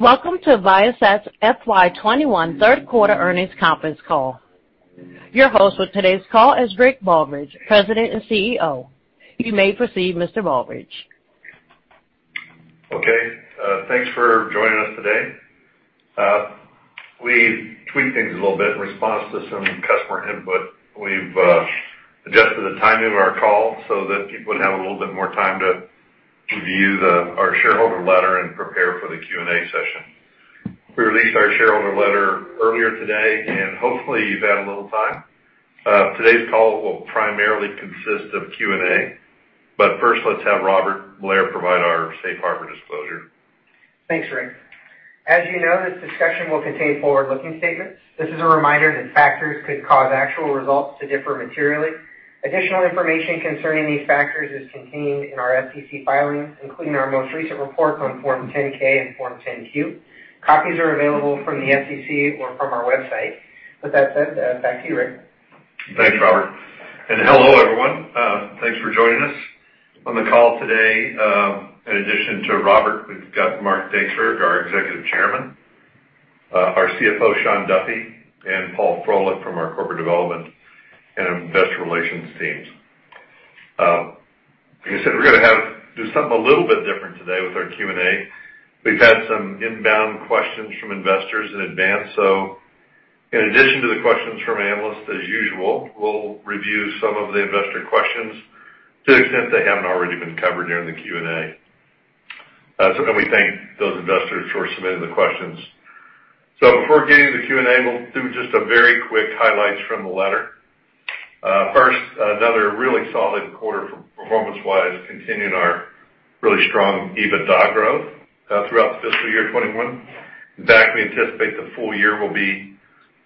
Welcome to Viasat's FY 2021 third quarter earnings conference call. Your host for today's call is Rick Baldridge, President and CEO. You may proceed, Mr. Baldridge. Okay. Thanks for joining us today. We've tweaked things a little bit in response to some customer input. We've adjusted the timing of our call so that people would have a little bit more time to review our shareholder letter and prepare for the Q&A session. We released our shareholder letter earlier today, and hopefully, you've had a little time. Today's call will primarily consist of Q&A. First, let's have Robert Blair provide our safe harbor disclosure. Thanks, Rick. As you know, this discussion will contain forward-looking statements. This is a reminder that factors could cause actual results to differ materially. Additional information concerning these factors is contained in our SEC filings, including our most recent report on Form 10-K and Form 10-Q. Copies are available from the SEC or from our website. With that said, back to you, Rick. Thanks, Robert. Hello, everyone. Thanks for joining us on the call today. In addition to Robert, we've got Mark Dankberg, our Executive Chairman, our CFO, Shawn Duffy, and Paul Froelich from our Corporate Development and Investor Relations teams. Like I said, we're going to do something a little bit different today with our Q&A. We've had some inbound questions from investors in advance. In addition to the questions from analysts, as usual, we'll review some of the investor questions to the extent they haven't already been covered during the Q&A. We thank those investors for submitting the questions. Before getting to the Q&A, we'll do just some very quick highlights from the letter. First, another really solid quarter performance-wise, continuing our really strong EBITDA growth throughout the fiscal year 2021. In fact, we anticipate the full year will be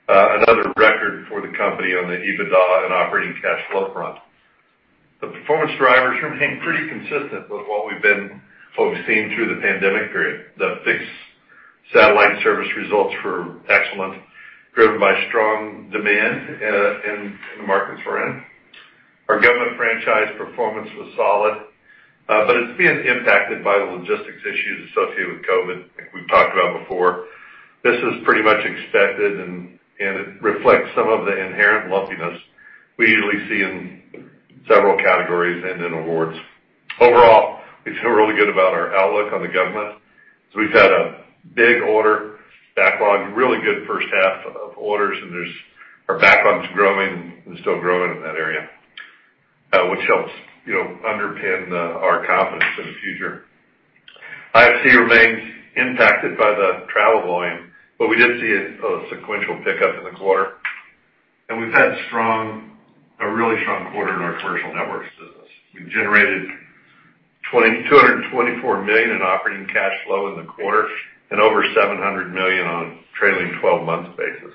another record for the company on the EBITDA and operating cash flow front. The performance drivers remain pretty consistent with what we've been focusing through the pandemic period. The Fixed Satellite Service results were excellent, driven by strong demand in the markets we're in. Our Government franchise performance was solid, but it's being impacted by the logistics issues associated with COVID, like we've talked about before. This is pretty much expected, and it reflects some of the inherent lumpiness we usually see in several categories and in awards. Overall, we feel really good about our outlook on the government, because we've had a big order backlog, really good first half of orders, and our backlog's growing, and still growing in that area, which helps underpin our confidence in the future. IFC remains impacted by the travel volume. We did see a sequential pickup in the quarter. We've had a really strong quarter in our commercial networks business. We generated $224 million in operating cash flow in the quarter and over $700 million on a trailing 12-month basis.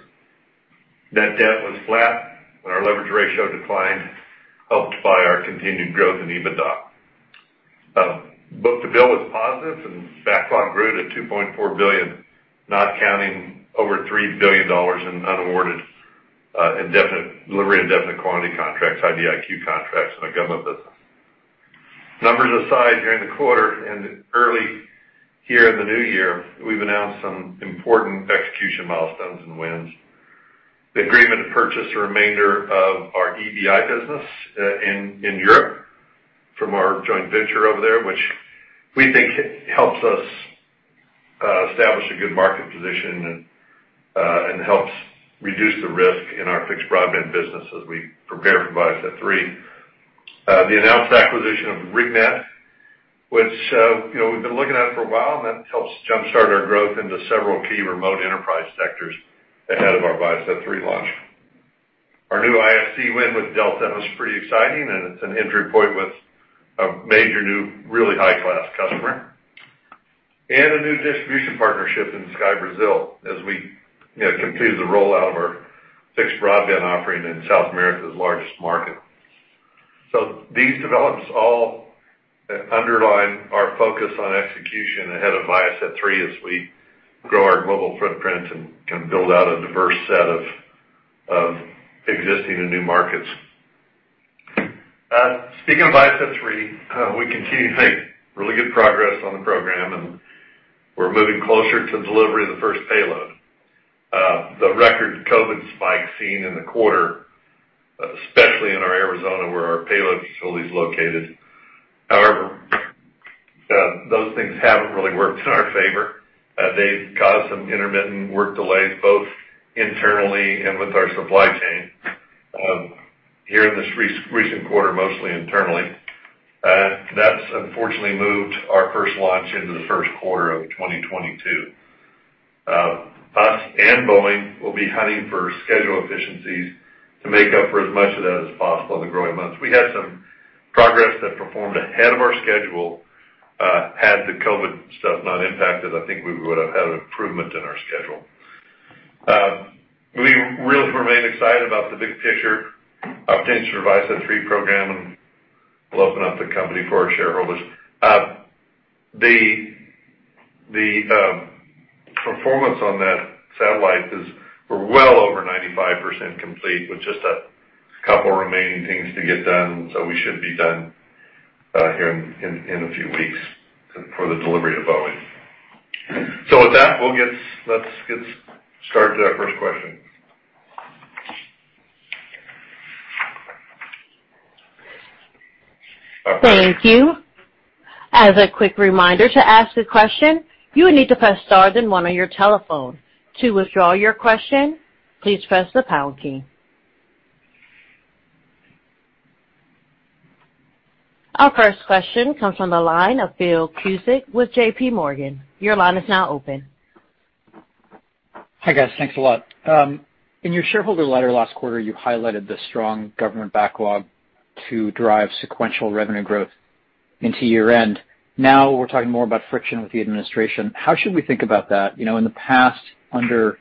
Net debt was flat. Our leverage ratio declined, helped by our continued growth in EBITDA. Book-to-bill was positive. Backlog grew to $2.4 billion, not counting over $3 billion in unawarded delivery indefinite quantity contracts, IDIQ contracts in our government business. Numbers aside, during the quarter and early here in the new year, we've announced some important execution milestones and wins. The agreement to purchase the remainder of our EBI business in Europe from our joint venture over there, which we think helps us establish a good market position and helps reduce the risk in our fixed broadband business as we prepare for ViaSat-3. The announced acquisition of RigNet, which we've been looking at for a while now, and that helps jumpstart our growth into several key remote enterprise sectors ahead of our ViaSat-3 launch. Our new IFC win with Delta was pretty exciting, and it's an entry point with a major new, really high-class customer. A new distribution partnership in SKY Brasil as we complete the rollout of our fixed broadband offering in South America's largest market. These developments all underline our focus on execution ahead of ViaSat-3 as we grow our global footprint and build out a diverse set of existing and new markets. Speaking of ViaSat-3, we continue to make really good progress on the program, and we're moving closer to delivery of the first payload. The record COVID spike seen in the quarter, especially in our Arizona, where our payload facility is located. Those things haven't really worked in our favor. They've caused some intermittent work delays, both internally and with our supply chain. Here in this recent quarter, mostly internally. That's unfortunately moved our first launch into the first quarter of 2022. Us and Boeing will be hunting for schedule efficiencies to make up for as much of that as possible in the growing months. We had some progress that performed ahead of our schedule. Had the COVID stuff not impacted, I think we would have had an improvement in our schedule. We really remain excited about the big picture opportunities for ViaSat-3 program, and we'll open up the company for our shareholders. The performance on that satellite is we're well over 95% complete with just a couple remaining things to get done, so we should be done here in a few weeks for the delivery to Boeing. With that, let's get started to that first question. Thank you as quicky remind to ask question you need to press star the one on your telephone to withdraw please press the pound key. Our first question comes from the line of Phil Cusick with JPMorgan. Your line is now open. Hi, guys. Thanks a lot. In your shareholder letter last quarter, you highlighted the strong government backlog to drive sequential revenue growth into year-end. Now we're talking more about friction with the administration. How should we think about that? In the past, under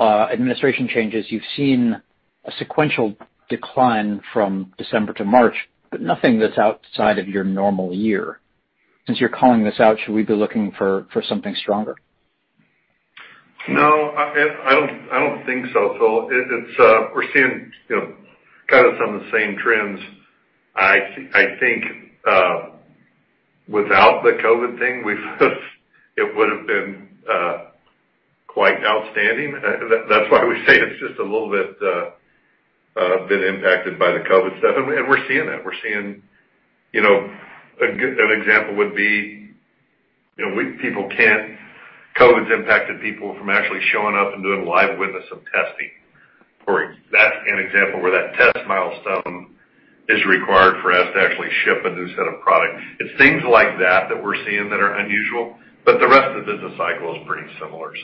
administration changes, you've seen a sequential decline from December to March, but nothing that's outside of your normal year. Since you're calling this out, should we be looking for something stronger? No, I don't think so, Phil. We're seeing kind of some of the same trends. I think without the COVID thing, it would've been quite outstanding. That's why we say it's just a little bit impacted by the COVID stuff, and we're seeing that. An example would be COVID's impacted people from actually showing up and doing live witness of testing. That's an example where that test milestone is required for us to actually ship a new set of products. It's things like that that we're seeing that are unusual, but the rest of the business cycle is pretty similar.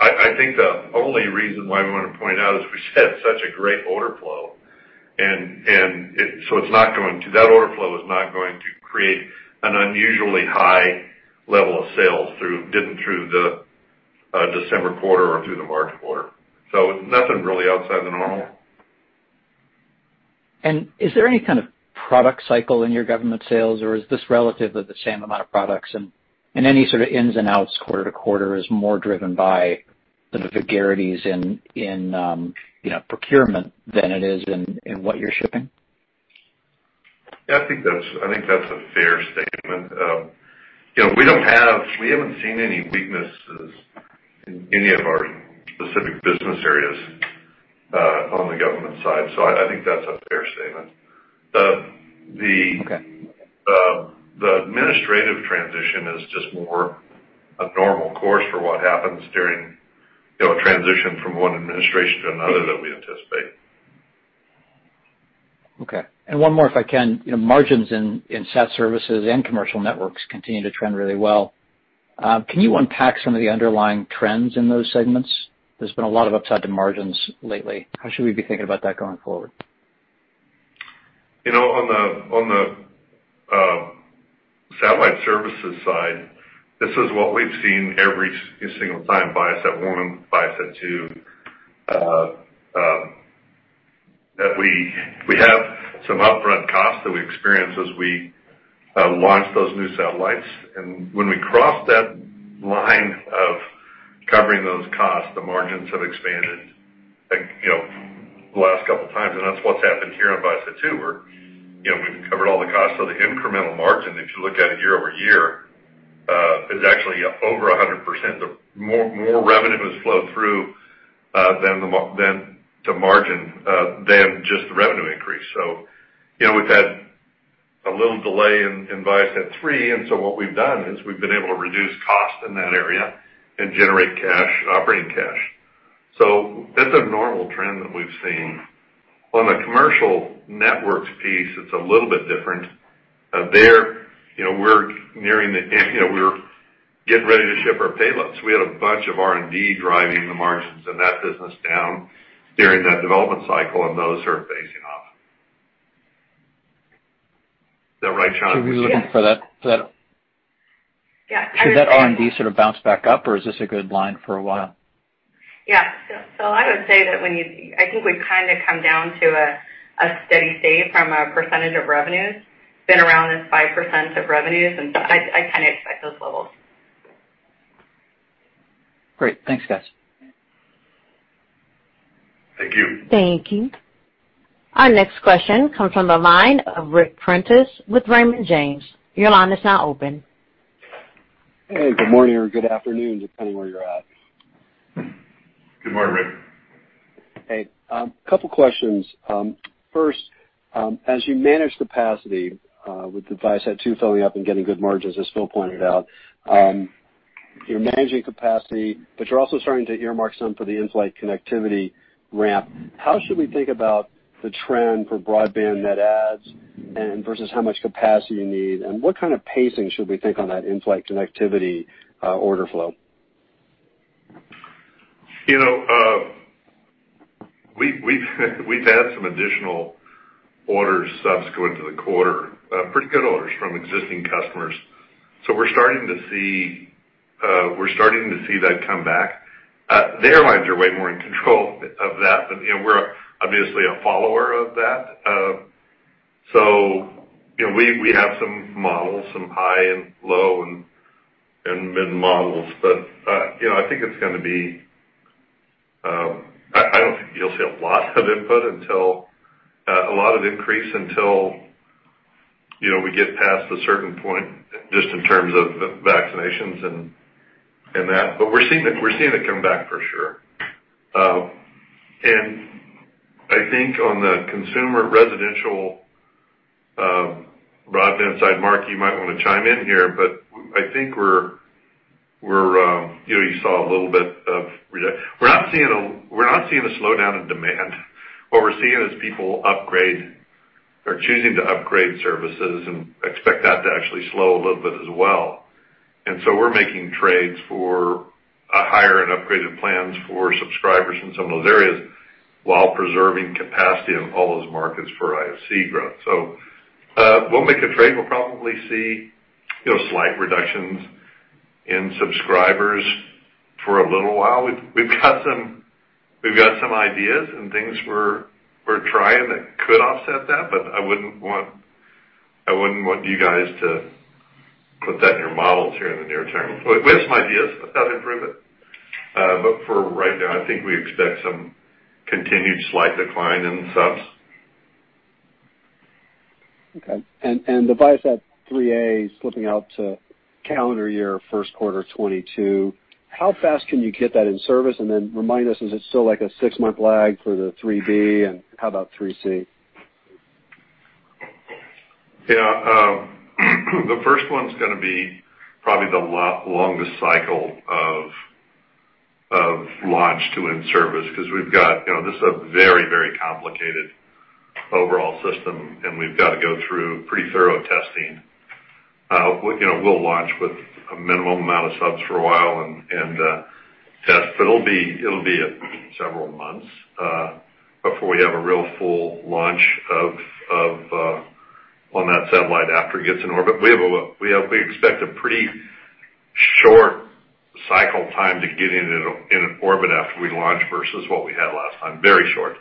I think the only reason why we want to point it out is we just had such a great order flow. That order flow is not going to create an unusually high level of sales through the December quarter or through the March quarter. Nothing really outside of the normal. Is there any kind of product cycle in your government sales, or is this relatively the same amount of products, and any sort of ins and outs quarter to quarter is more driven by the vagaries in procurement than it is in what you're shipping? Yeah, I think that's a fair statement. We haven't seen any weaknesses in any of our specific business areas on the government side, so I think that's a fair statement. Okay. The administrative transition is just more a normal course for what happens during a transition from one administration to another that we anticipate. Okay. One more, if I can. Margins in sat services and commercial networks continue to trend really well. Can you unpack some of the underlying trends in those segments? There's been a lot of upside to margins lately. How should we be thinking about that going forward? On the satellite services side, this is what we've seen every single time, ViaSat-1 and ViaSat-2. That we have some upfront costs that we experience as we launch those new satellites. When we cross that line of covering those costs, the margins have expanded the last couple of times, and that's what's happened here on ViaSat-2 where we've covered all the costs. The incremental margin, if you look at it year-over-year, is actually over 100%. More revenue has flowed through to margin than just the revenue increase. We've had a little delay in ViaSat-3, and so what we've done is we've been able to reduce cost in that area and generate operating cash. That's a normal trend that we've seen. On the commercial networks piece, it's a little bit different. There, we're getting ready to ship our payloads. We had a bunch of R&D driving the margins in that business down during that development cycle. Those are phasing off. Is that right, Shawn? Yes. Should we be looking for that? Yeah. Should that R&D sort of bounce back up, or is this a good line for a while? Yeah. I would say that I think we've kind of come down to a steady state from a percentage of revenues. It's been around this 5% of revenues. I kind of expect those levels. Great. Thanks, guys. Thank you. Thank you. Our next question comes from the line of Ric Prentiss with Raymond James. Your line is now open. Hey, good morning or good afternoon, depending where you're at. Good morning, Ric. Hey. Couple questions. First, as you manage capacity with the ViaSat-2 filling up and getting good margins, as Phil pointed out, you're managing capacity, but you're also starting to earmark some for the in-flight connectivity ramp. How should we think about the trend for broadband net adds versus how much capacity you need, and what kind of pacing should we think on that in-flight connectivity order flow? We've had some additional orders subsequent to the quarter, pretty good orders from existing customers. We're starting to see that come back. The airlines are way more in control of that. We're obviously a follower of that. We have some models, some high and low and mid models. I think I don't think you'll see a lot of input, a lot of increase until we get past a certain point just in terms of the vaccinations and that. We're seeing it come back, for sure. I think on the consumer residential broadband side, Mark, you might want to chime in here. We're not seeing a slowdown in demand. What we're seeing is people are choosing to upgrade services and expect that to actually slow a little bit as well. We're making trades for higher and upgraded plans for subscribers in some of those areas while preserving capacity in all those markets for IFC growth. We'll make a trade. We'll probably see slight reductions in subscribers for a little while. We've got some ideas and things we're trying that could offset that, I wouldn't want you guys to put that in your models here in the near term. We have some ideas about improvement. For right now, I think we expect some continued slight decline in subs. Okay. The ViaSat-3A is slipping out to calendar year first quarter 2022. How fast can you get that in service? Remind us, is it still like a six-month lag for the 3B, and how about 3C? The first one's going to be probably the longest cycle of launch to in-service, because this is a very complicated overall system, and we've got to go through pretty thorough testing. We'll launch with a minimum amount of subs for a while and test, but it'll be several months before we have a real full launch on that satellite after it gets in orbit. We expect a pretty short cycle time to get in an orbit after we launch versus what we had last time. Very short.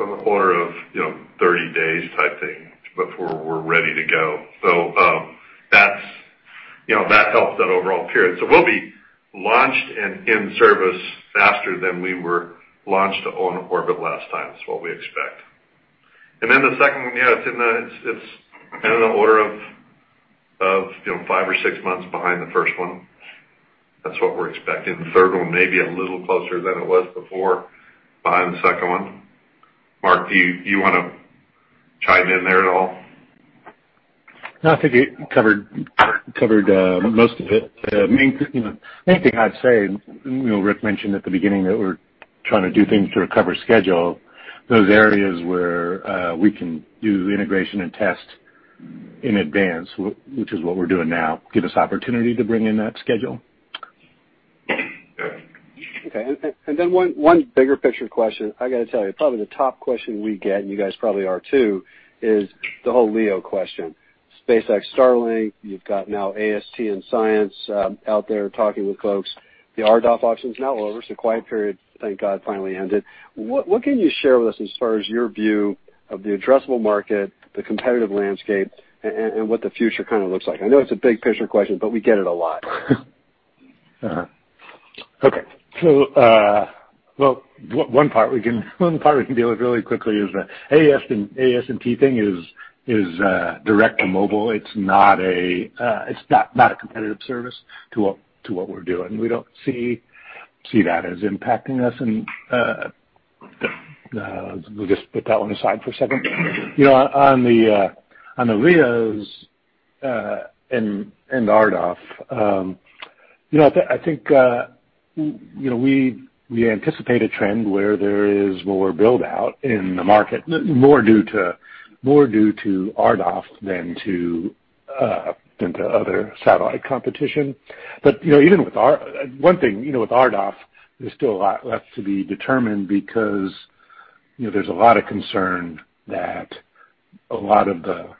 On the order of 30 days type thing before we're ready to go. That helps that overall period. We'll be launched and in service faster than we were launched on orbit last time, is what we expect. The second one, it's in the order of five or six months behind the first one. That's what we're expecting. The third one may be a little closer than it was before behind the second one. Mark, do you want to chime in there at all? No, I think you covered most of it. The main thing I'd say, Rick mentioned at the beginning that we're trying to do things to recover schedule. Those areas where we can do integration and test in advance, which is what we're doing now, give us opportunity to bring in that schedule. Okay. One bigger picture question. I got to tell you, probably the top question we get, and you guys probably are, too, is the whole LEO question. SpaceX Starlink, you've got now AST & Science out there talking with folks. The RDOF auction's now over, quiet period, thank God, finally ended. What can you share with us as far as your view of the addressable market, the competitive landscape, and what the future kind of looks like? I know it's a big picture question, we get it a lot. Okay. One part we can deal with really quickly is the AST thing is direct to mobile. It's not a competitive service to what we're doing. We don't see that as impacting us, and we'll just put that one aside for a second. On the LEOs, and the RDOF, I think we anticipate a trend where there is more build-out in the market, more due to RDOF than to other satellite competition. One thing, with RDOF, there's still a lot left to be determined because there's a lot of concern that a lot of the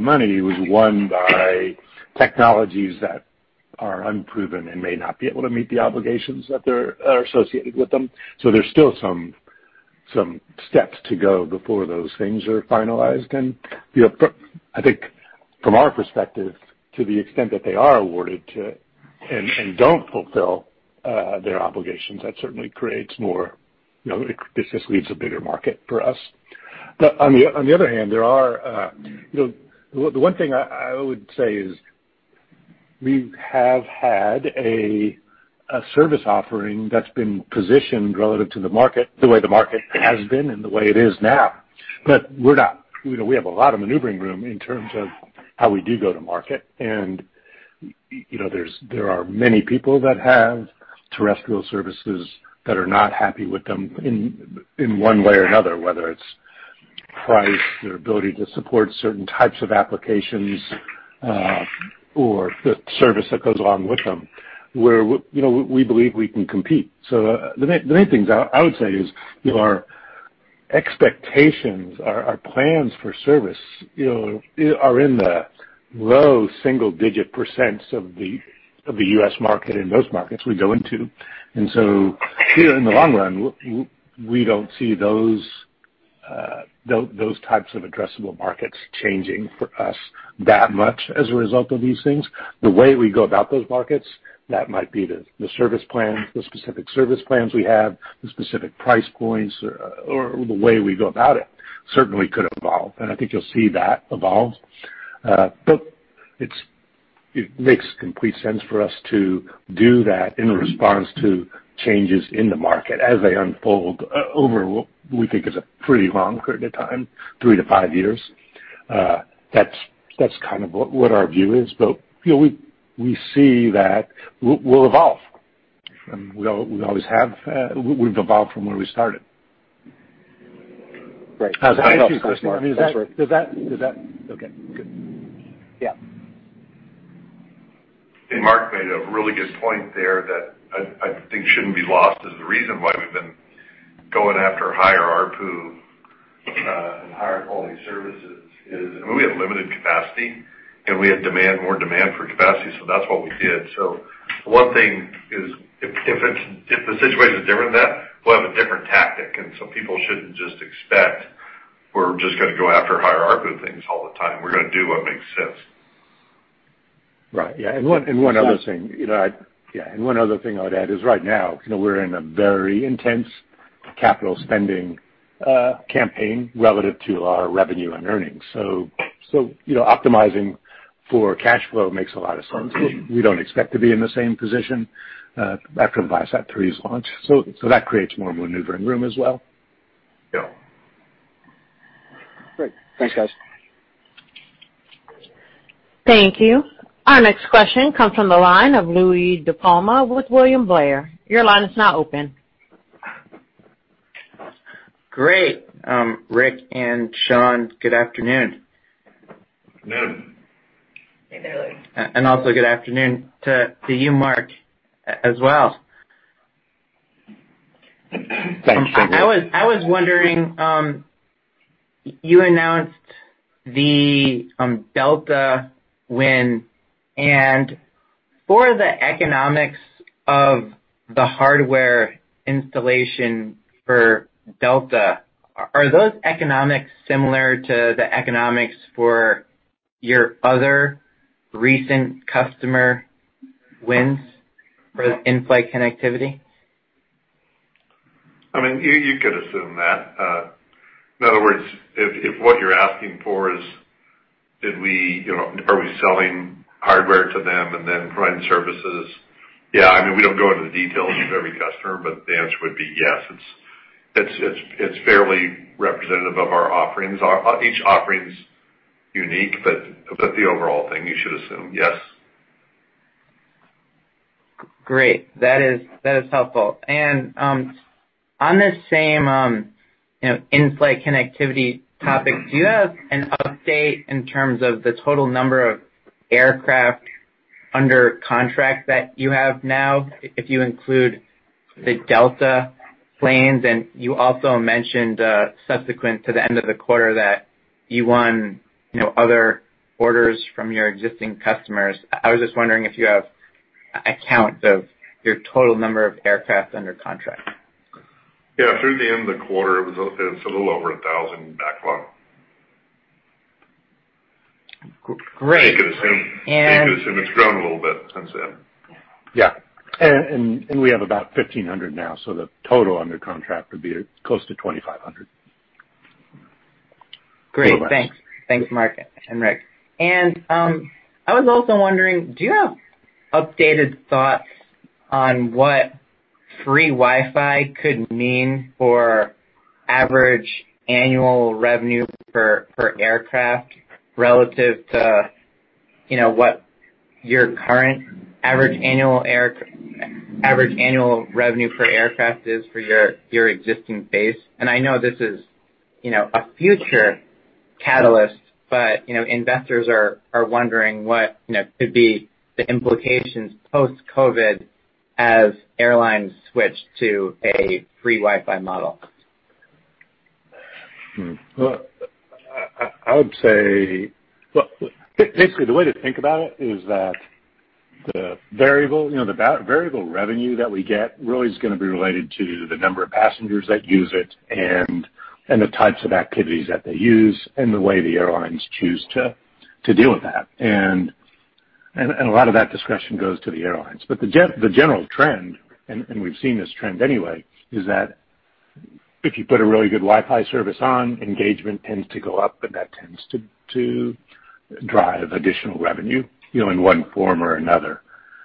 money was won by technologies that are unproven and may not be able to meet the obligations that are associated with them. There's still some steps to go before those things are finalized. I think from our perspective, to the extent that they are awarded and don't fulfill their obligations, that certainly creates more. It just leaves a bigger market for us. On the other hand, the one thing I would say is we have had a service offering that's been positioned relative to the market the way the market has been and the way it is now. We have a lot of maneuvering room in terms of how we do go to market, and there are many people that have terrestrial services that are not happy with them in one way or another, whether it's price, their ability to support certain types of applications, or the service that goes along with them, where we believe we can compete. The main things I would say is our expectations, our plans for service, are in the low single-digit percent of the U.S. market in those markets we go into. Here in the long run, we don't see those types of addressable markets changing for us that much as a result of these things. The way we go about those markets, that might be the service plan, the specific service plans we have, the specific price points, or the way we go about it certainly could evolve. I think you'll see that evolve. It makes complete sense for us to do that in response to changes in the market as they unfold over what we think is a pretty long period of time, three to five years. That's kind of what our view is. We see that we'll evolve. We always have. We've evolved from where we started. Right. I'm sorry. Okay, good. Yeah. Mark made a really good point there that I think shouldn't be lost as the reason why we've been going after higher ARPU, and higher quality services is, I mean, we have limited capacity, and we have more demand for capacity, so that's what we did. One thing is, if the situation is different than that, we'll have a different tactic. People shouldn't just expect we're just going to go after higher ARPU things all the time. We're going to do what makes sense. Right. Yeah. One other thing I'd add is right now, we're in a very intense capital spending campaign relative to our revenue and earnings. Optimizing for cash flow makes a lot of sense. We don't expect to be in the same position after ViaSat-3's launch, so that creates more maneuvering room as well. Yeah. Great. Thanks, guys. Thank you. Our next question comes from the line of Louie DiPalma with William Blair. Your line is now open. Great. Rick and Shawn, good afternoon. Good afternoon. Hey there, Louie. Also good afternoon to you, Mark, as well. Thanks. I was wondering, you announced the Delta win, and for the economics of the hardware installation for Delta, are those economics similar to the economics for your other recent customer wins for the in-flight connectivity? I mean, you could assume that. In other words, if what you're asking for is are we selling hardware to them and then providing services? Yeah. I mean, we don't go into the details of every customer, but the answer would be yes. It's fairly representative of our offerings. Each offering's unique, but the overall thing you should assume, yes. Great. That is helpful. On the same in-flight connectivity topic, do you have an update in terms of the total number of aircraft under contract that you have now, if you include the Delta planes? You also mentioned subsequent to the end of the quarter that you won other orders from your existing customers. I was just wondering if you have a count of your total number of aircraft under contract. Yeah. Through the end of the quarter, it was a little over 1,000 backlog. Great. You could assume it's grown a little bit since then. Yeah. We have about 1,500 now, so the total under contract would be close to 2,500. Great. More or less. Thanks. Thanks, Mark and Rick. I was also wondering, do you have updated thoughts on what free Wi-Fi could mean for average annual revenue per aircraft relative to what your current average annual revenue per aircraft is for your existing base? I know this is a future catalyst, but investors are wondering what could be the implications post-COVID as airlines switch to a free Wi-Fi model. Basically the way to think about it is that the variable revenue that we get really is going to be related to the number of passengers that use it, and the types of activities that they use, and the way the airlines choose to deal with that. A lot of that discretion goes to the airlines. The general trend, and we've seen this trend anyway, is that if you put a really good Wi-Fi service on, engagement tends to go up, and that tends to drive additional revenue, in one form or another.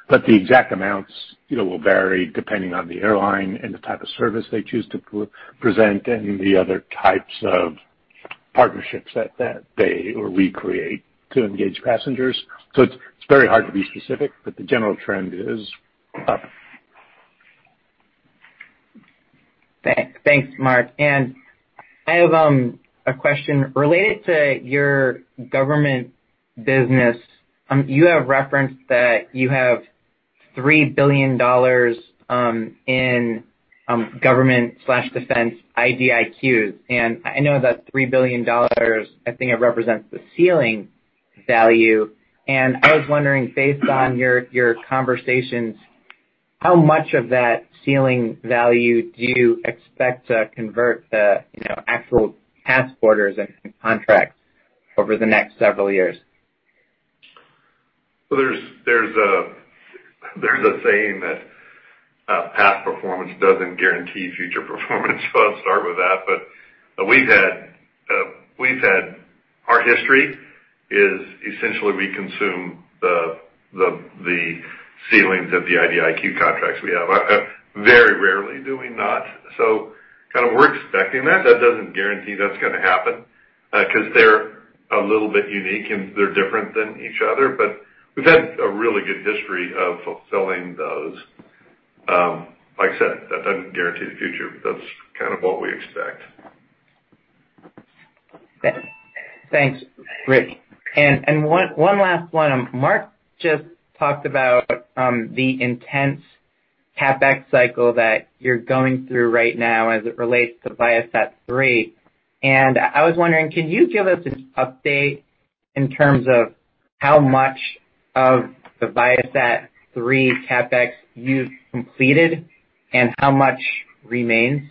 The exact amounts will vary depending on the airline and the type of service they choose to present and the other types of partnerships that they or we create to engage passengers. It's very hard to be specific, but the general trend is up. Thanks, Mark. I have a question related to your government business. You have referenced that you have $3 billion in government/defense IDIQs. I know that $3 billion, I think it represents the ceiling value. I was wondering, based on your conversations, how much of that ceiling value do you expect to convert the actual task orders and contracts over the next several years? There's a saying that past performance doesn't guarantee future performance, so I'll start with that. Our history is essentially we consume the ceilings of the IDIQ contracts we have. Very rarely do we not. We're expecting that. That doesn't guarantee that's going to happen, because they're a little bit unique, and they're different than each other. We've had a really good history of fulfilling those. Like I said, that doesn't guarantee the future. That's kind of what we expect. Thanks, Rick. One last one. Mark just talked about the intense CapEx cycle that you're going through right now as it relates to ViaSat-3. I was wondering, can you give us an update in terms of how much of the ViaSat-3 CapEx you've completed, and how much remains?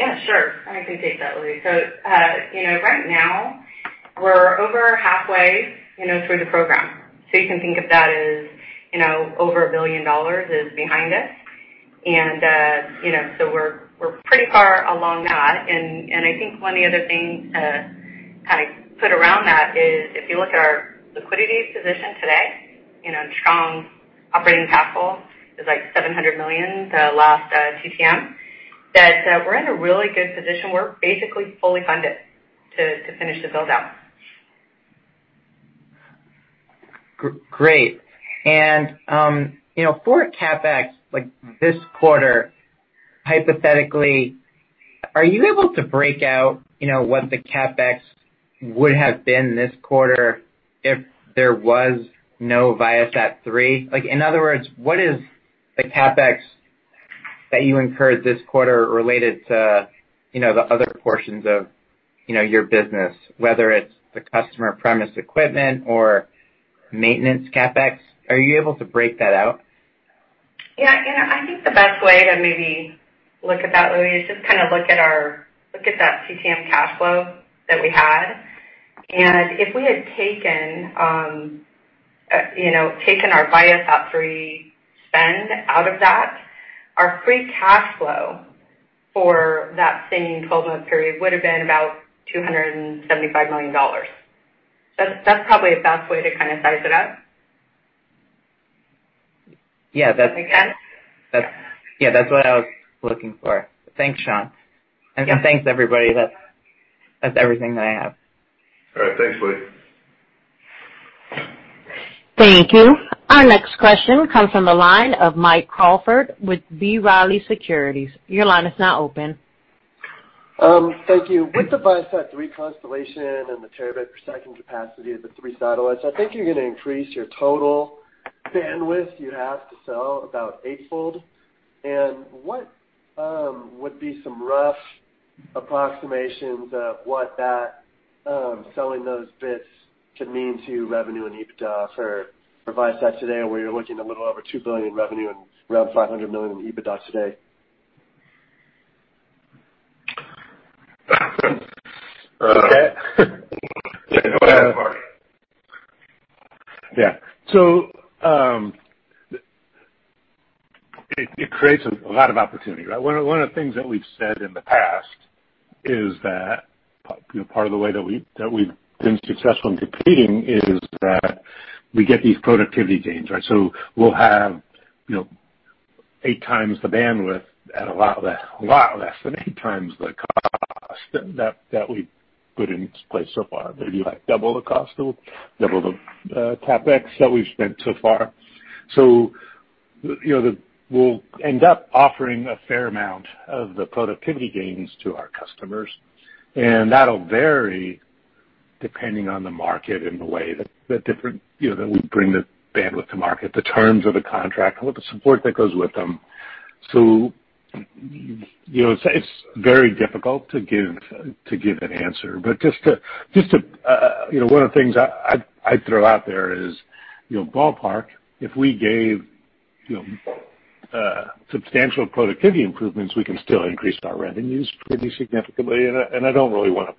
Yeah, sure. I can take that, Louie. Right now we're over halfway through the program. You can think of that as over $1 billion is behind us. We're pretty far along that. I think one of the other things to kind of put around that is if you look at our liquidity position today, strong operating cash flow is like $700 million the last TTM, that we're in a really good position. We're basically fully funded to finish the build-out. Great. For CapEx, like this quarter, hypothetically, are you able to break out what the CapEx would have been this quarter if there was no ViaSat-3? In other words, what is the CapEx that you incurred this quarter related to the other portions of your business, whether it's the customer premise equipment or maintenance CapEx? Are you able to break that out? Yeah. I think the best way to maybe look at that, Louie, is just kind of look at that TTM cash flow that we had. If we had taken our ViaSat-3 spend out of that, our free cash flow for that same 12-month period would've been about $275 million. That's probably the best way to kind of size it up. Yeah. Again. Yeah, that's what I was looking for. Thanks, Shawn. Yeah. Thanks, everybody. That's everything that I have. All right. Thanks, Louie. Thank you. Our next question comes from the line of Mike Crawford with B. Riley Securities. Your line is now open. Thank you. With the ViaSat-3 constellation and the terabit per second capacity of the three satellites, I think you're going to increase your total bandwidth you have to sell about eightfold. What would be some rough approximations of what that selling those bits could mean to revenue and EBITDA for Viasat today, where you're looking a little over $2 billion in revenue and around $500 million in EBITDA today? Go ahead, Mark. Yeah. It creates a lot of opportunity, right? One of the things that we've said in the past is that part of the way that we've been successful in competing is that we get these productivity gains, right? We'll have eight times the bandwidth at a lot less than eight times the cost that we've put in place so far. It'll be like double the cost, or double the CapEx that we've spent so far. We'll end up offering a fair amount of the productivity gains to our customers, and that'll vary depending on the market and the way that we bring the bandwidth to market, the terms of the contract, all of the support that goes with them. It's very difficult to give an answer. One of the things I'd throw out there as ballpark, if we gave substantial productivity improvements, we can still increase our revenues pretty significantly. I don't really want to.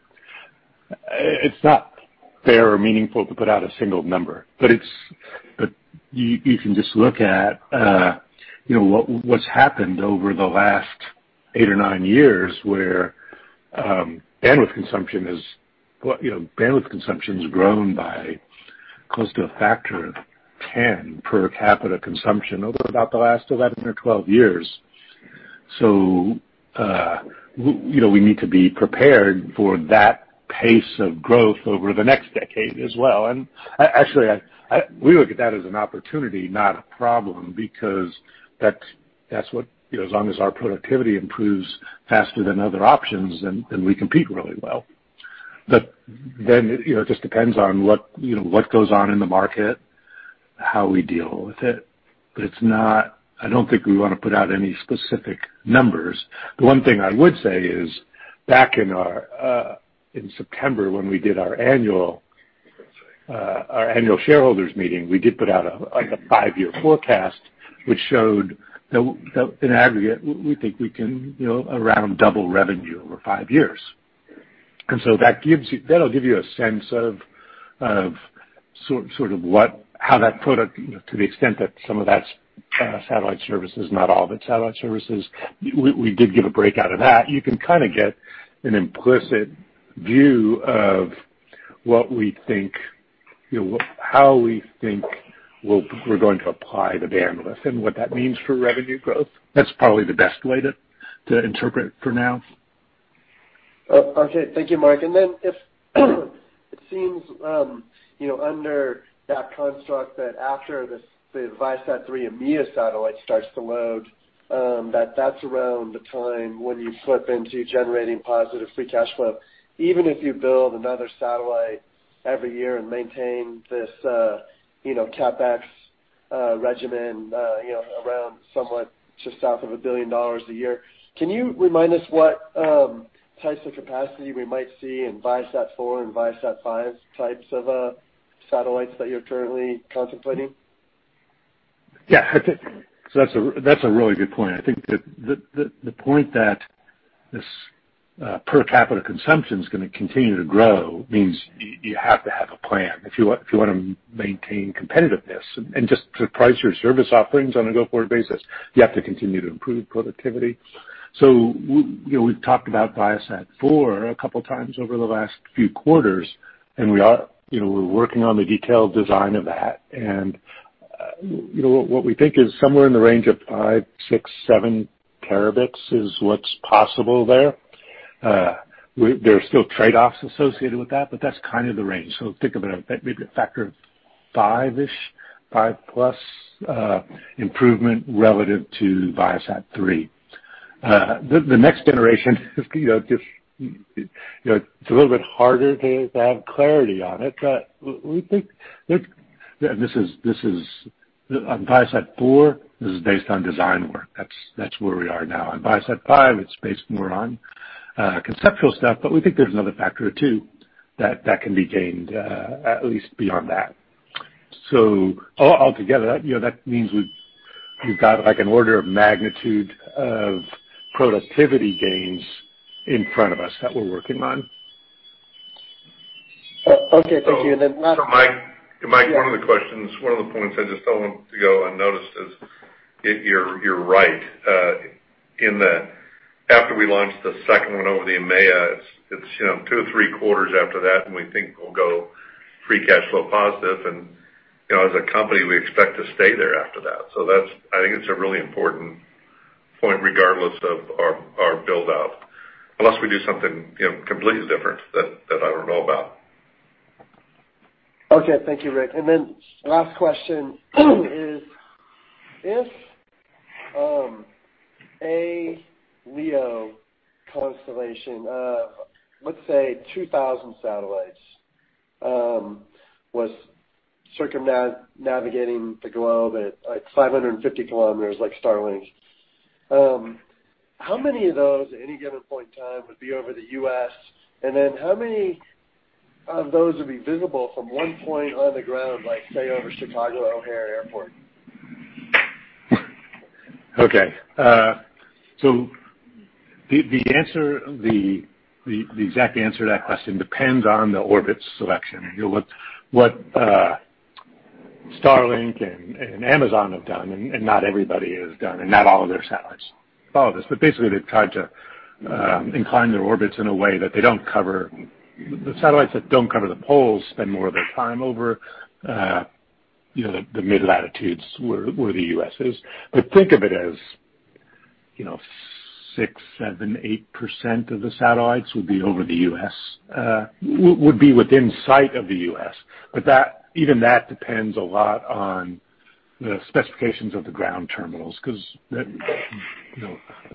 It's not fair or meaningful to put out a single number, but you can just look at what's happened over the last eight or nine years where bandwidth consumption has grown by close to a factor of 10 per capita consumption over about the last 11 or 12 years. We need to be prepared for that pace of growth over the next decade as well. Actually, we look at that as an opportunity, not a problem, because as long as our productivity improves faster than other options, then we compete really well. Then, it just depends on what goes on in the market, how we deal with it. I don't think we want to put out any specific numbers. The one thing I would say is, back in September when we did our annual shareholders meeting, we did put out a five-year forecast which showed that in aggregate, we think we can around double revenue over five years. That'll give you a sense of how that product, to the extent that some of that's satellite services, not all of it's satellite services, we did give a breakout of that. You can get an implicit view of how we think we're going to apply the bandwidth and what that means for revenue growth. That's probably the best way to interpret for now. Okay. Thank you, Mark. It seems, under that construct, that after the ViaSat-3 EMEA satellite starts to load, that that's around the time when you flip into generating positive free cash flow, even if you build another satellite every year and maintain this CapEx regimen around somewhat just south of $1 billion a year. Can you remind us what types of capacity we might see in ViaSat-4 and ViaSat-5 types of satellites that you're currently contemplating? Yeah. That's a really good point. I think the point that this per capita consumption's going to continue to grow means you have to have a plan if you want to maintain competitiveness, and just to price your service offerings on a go-forward basis, you have to continue to improve productivity. We've talked about ViaSat-4 a couple times over the last few quarters, and we're working on the detailed design of that, and what we think is somewhere in the range of five, six, seven terabits is what's possible there. There are still trade-offs associated with that's kind of the range. Think of it maybe a factor of five-ish, 5+ improvement relative to ViaSat-3. The next generation it's a little bit harder to have clarity on it, we think that, and ViaSat-4 is based on design work. That's where we are now. ViaSat-5, it's based more on conceptual stuff, we think there's another factor or two that can be gained, at least beyond that. Altogether, that means we've got an order of magnitude of productivity gains in front of us that we're working on. Okay. Thank you. Mike. Yeah. Mike, one of the questions, one of the points I just don't want to go unnoticed is, you're right. After we launch the second one over the EMEA, it's two or three quarters after that, and we think we'll go free cash flow positive, and as a company, we expect to stay there after that. I think it's a really important point regardless of our build-out, unless we do something completely different that I don't know about. Okay. Thank you, Rick. Last question is, if a LEO constellation of, let's say, 2,000 satellites, was circumnavigating the globe at 550 kilometers, like Starlink, how many of those, at any given point in time, would be over the U.S., and then how many of those would be visible from one point on the ground, say, over Chicago O'Hare Airport? Okay. The exact answer to that question depends on the orbit selection. What Starlink and Amazon have done, and not everybody has done, and not all of their satellites follow this, basically, they've tried to incline their orbits in a way that the satellites that don't cover the poles spend more of their time over the mid-latitudes, where the U.S. is. Think of it as 6%, 7%, 8% of the satellites would be within sight of the U.S. Even that depends a lot on the specifications of the ground terminals, because the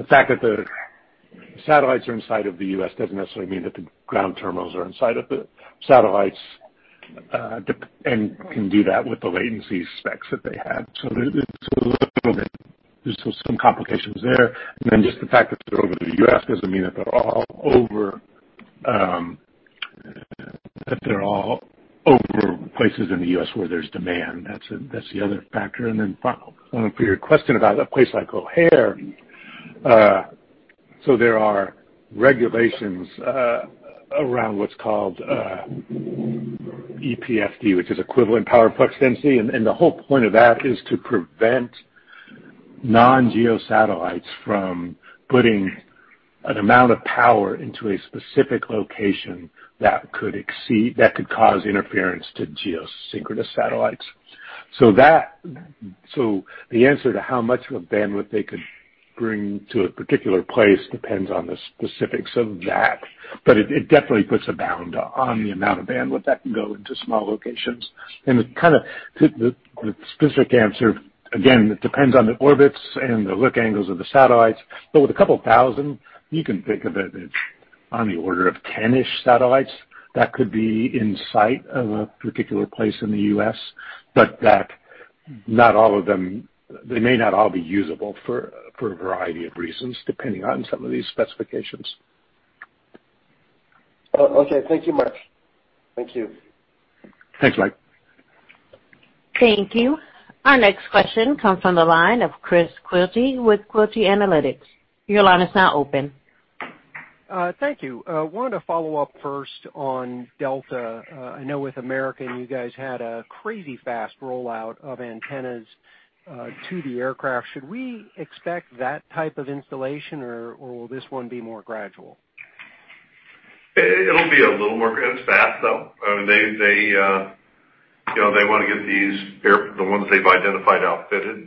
fact that the satellites are in sight of the U.S. doesn't necessarily mean that the ground terminals are in sight of the satellites, and can do that with the latency specs that they have. There's still some complications there. Just the fact that they're over the U.S. doesn't mean that they're all over places in the U.S. where there's demand. That's the other factor. For your question about a place like O'Hare, there are regulations around what's called EPFD, which is equivalent power flux density, and the whole point of that is to prevent non-geo satellites from putting an amount of power into a specific location that could cause interference to geosynchronous satellites. The answer to how much of a bandwidth they could bring to a particular place depends on the specifics of that, but it definitely puts a bound on the amount of bandwidth that can go into small locations. The specific answer, again, depends on the orbits and the look angles of the satellites, but with 2,000, you can think of it as on the order of 10-ish satellites that could be in sight of a particular place in the U.S., but they may not all be usable for a variety of reasons, depending on some of these specifications. Okay. Thank you, Mark. Thank you. Thanks, Mike. Thank you. Our next question comes from the line of Chris Quilty with Quilty Analytics. Your line is now open. Thank you. Wanted to follow up first on Delta. I know with American, you guys had a crazy fast rollout of antennas to the aircraft. Should we expect that type of installation, or will this one be more gradual? It's fast, though. They want to get the ones they've identified outfitted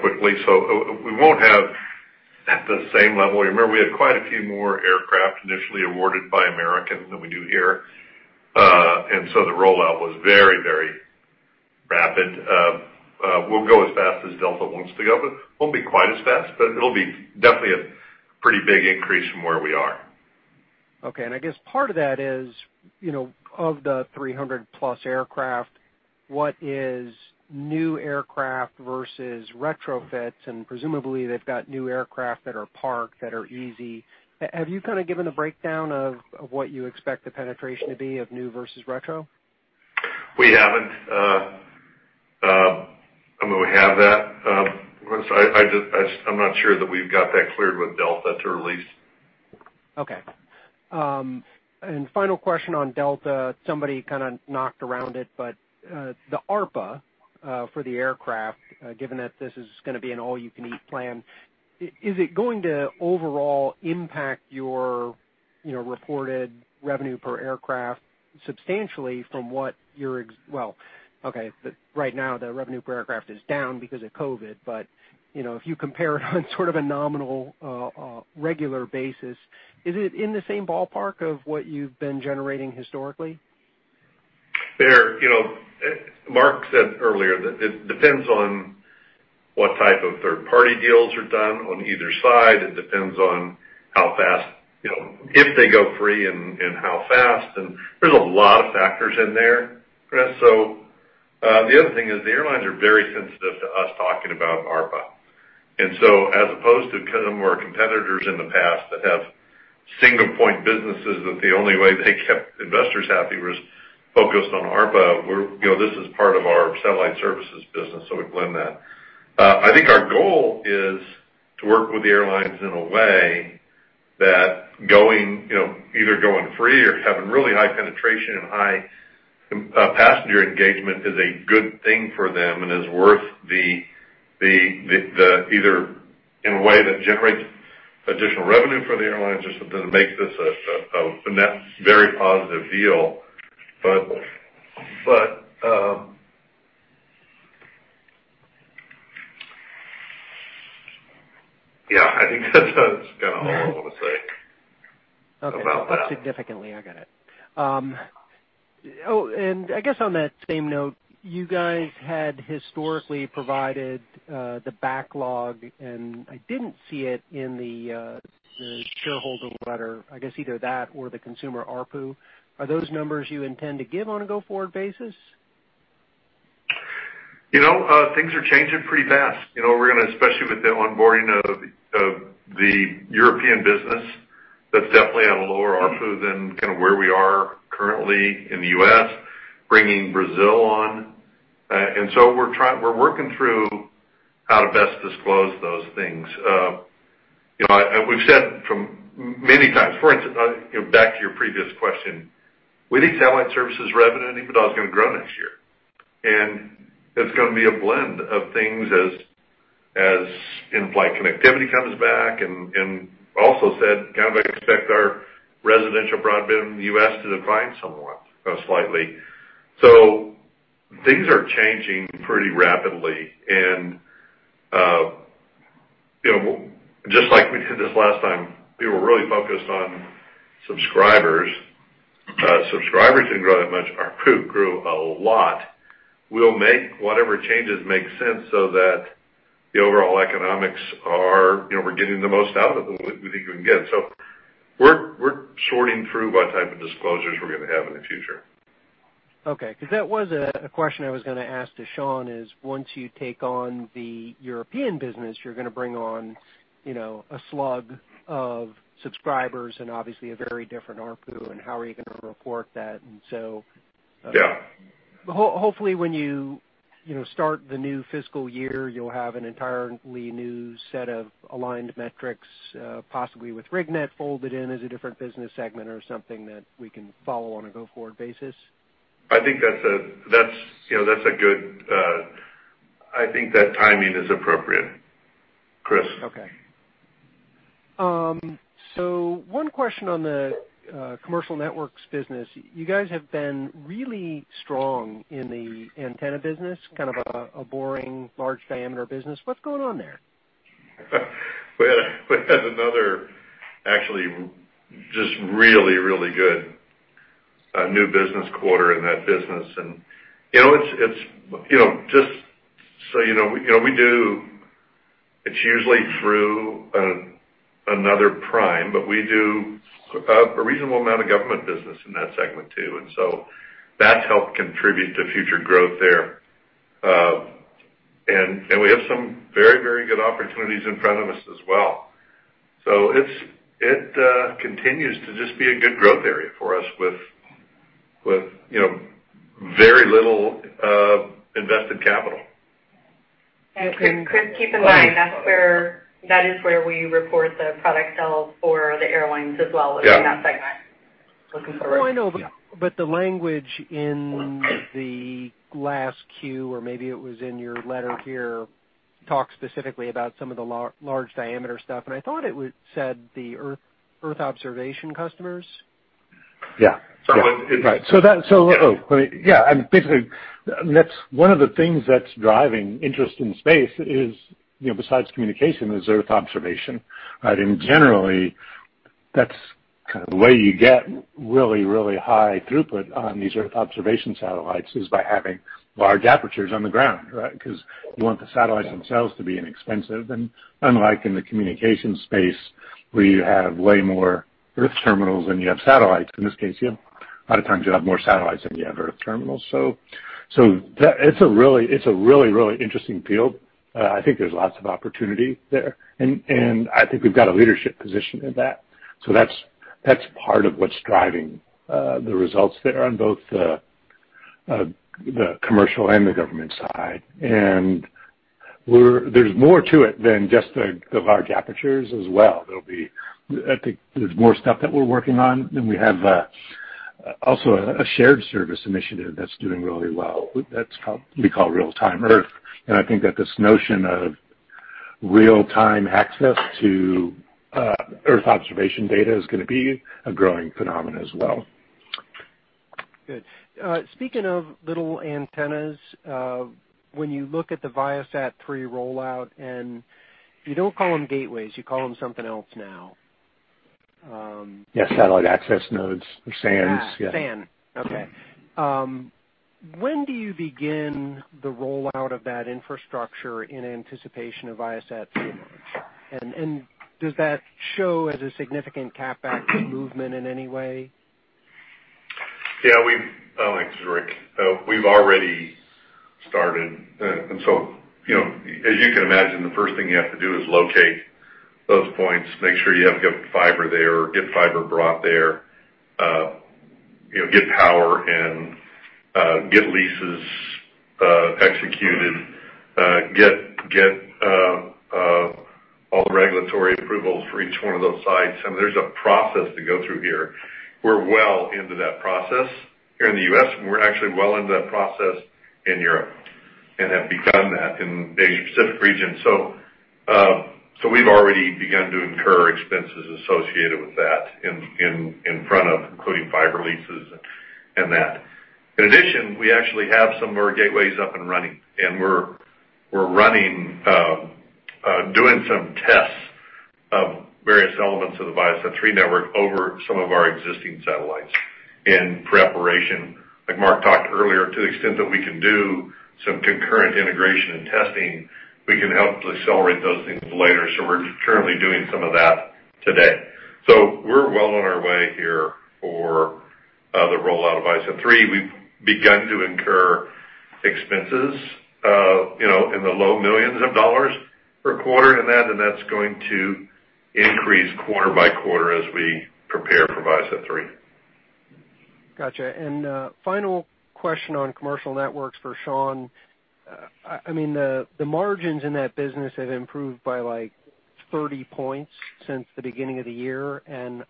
quickly. We won't have at the same level. You remember we had quite a few more aircraft initially awarded by American than we do here. The rollout was very rapid. We'll go as fast as Delta wants to go, but it won't be quite as fast, but it'll be definitely a pretty big increase from where we are. Okay. I guess part of that is, of the 300+ aircraft, what is new aircraft versus retrofits, and presumably they've got new aircraft that are parked that are easy. Have you given a breakdown of what you expect the penetration to be of new versus retro? We haven't. I mean, we have that, Chris. I'm not sure that we've got that cleared with Delta to release. Okay. Final question on Delta. Somebody kind of knocked around it, but the ARPA for the aircraft, given that this is going to be an all-you-can-eat plan, is it going to overall impact your reported revenue per aircraft substantially from what you're Well, okay, right now the revenue per aircraft is down because of COVID, but if you compare it on sort of a nominal, regular basis, is it in the same ballpark of what you've been generating historically? Mark said earlier that it depends on what type of third-party deals are done on either side. It depends on if they go free and how fast, and there's a lot of factors in there, Chris. The other thing is the airlines are very sensitive to us talking about ARPA. As opposed to some of our competitors in the past that have single point businesses, that the only way they kept investors happy was focused on ARPA, this is part of our satellite services business, so we blend that. I think our goal is to work with the airlines in a way that either going free or having really high penetration and high passenger engagement is a good thing for them and is worth either in a way that generates additional revenue for the airlines or something that makes this a net very positive deal. Yeah, I think that's kind of all I want to say about that. Okay. Significantly, I got it. Oh, I guess on that same note, you guys had historically provided the backlog, and I didn't see it in the shareholder letter. I guess either that or the consumer ARPU. Are those numbers you intend to give on a go-forward basis? Things are changing pretty fast, especially with the onboarding of the European business. That's definitely at a lower ARPU than kind of where we are currently in the U.S., bringing Brazil on. We're working through how to best disclose those things. We've said many times. For instance, back to your previous question, we think satellite services revenue and EBITDA is going to grow next year, and it's going to be a blend of things as in-flight connectivity comes back and also said kind of expect our residential broadband in the U.S. to decline somewhat, slightly. Things are changing pretty rapidly and just like we did this last time, we were really focused on subscribers. Subscribers didn't grow that much. ARPU grew a lot. We'll make whatever changes make sense so that the overall economics are we're getting the most out of it that we think we can get. We're sorting through what type of disclosures we're going to have in the future. Okay. Because that was a question I was going to ask Shawn is once you take on the European business, you're going to bring on a slug of subscribers and obviously a very different ARPU, and how are you going to report that? Yeah. Hopefully when you start the new fiscal year, you'll have an entirely new set of aligned metrics, possibly with RigNet folded in as a different business segment or something that we can follow on a go-forward basis. I think that timing is appropriate, Chris. Okay. One question on the commercial networks business. You guys have been really strong in the antenna business, kind of a boring large diameter business. What's going on there? We had another actually just really good new business quarter in that business. It's usually through another prime, but we do a reasonable amount of government business in that segment, too. That's helped contribute to future growth there. We have some very good opportunities in front of us as well. It continues to just be a good growth area for us with very little invested capital. Chris, keep in mind, that is where we report the product sales for the airlines as well within that segment looking forward. No, I know. The language in the last Q, or maybe it was in your letter here, talks specifically about some of the large diameter stuff. I thought it said the Earth observation customers. Yeah. Right. Yeah. Basically, one of the things that's driving interest in space is, besides communication, is Earth observation. Generally, that's kind of the way you get really high throughput on these Earth observation satellites is by having large apertures on the ground. Because you want the satellites themselves to be inexpensive. Unlike in the communication space, where you have way more Earth terminals than you have satellites, in this case, a lot of times you have more satellites than you have Earth terminals. It's a really interesting field. I think there's lots of opportunity there, and I think we've got a leadership position in that. That's part of what's driving the results there on both the commercial and the government side. There's more to it than just the large apertures as well. I think there's more stuff that we're working on, and we have also a shared service initiative that's doing really well. That's we call Real-Time Earth. I think that this notion of real-time access to Earth observation data is going to be a growing phenomenon as well. Good. Speaking of little antennas, when you look at the ViaSat-3 rollout, you don't call them gateways, you call them something else now. Yes. Satellite Access Nodes or SANs. Yeah. SAN. Okay. When do you begin the rollout of that infrastructure in anticipation of ViaSat-3? Does that show as a significant CapEx movement in any way? Yeah. This is Rick. We've already started. As you can imagine, the first thing you have to do is locate those points, make sure you have fiber there or get fiber brought there, get power and get leases executed, get all the regulatory approvals for each one of those sites. I mean, there's a process to go through here. We're well into that process here in the U.S., and we're actually well into that process in Europe and have begun that in the Asia Pacific region. We've already begun to incur expenses associated with that in front of including fiber leases and that. In addition, we actually have some more gateways up and running, and we're doing some tests of various elements of the ViaSat-3 network over some of our existing satellites in preparation. Like Mark talked earlier, to the extent that we can do some concurrent integration and testing, we can help accelerate those things later. We're currently doing some of that today. We're well on our way here for the rollout of ViaSat-3. We've begun to incur expenses in the low millions of dollars per quarter in that, and that's going to increase quarter by quarter as we prepare for ViaSat-3. Got you. Final question on commercial networks for Shawn. I mean, the margins in that business have improved by 30 points since the beginning of the year, and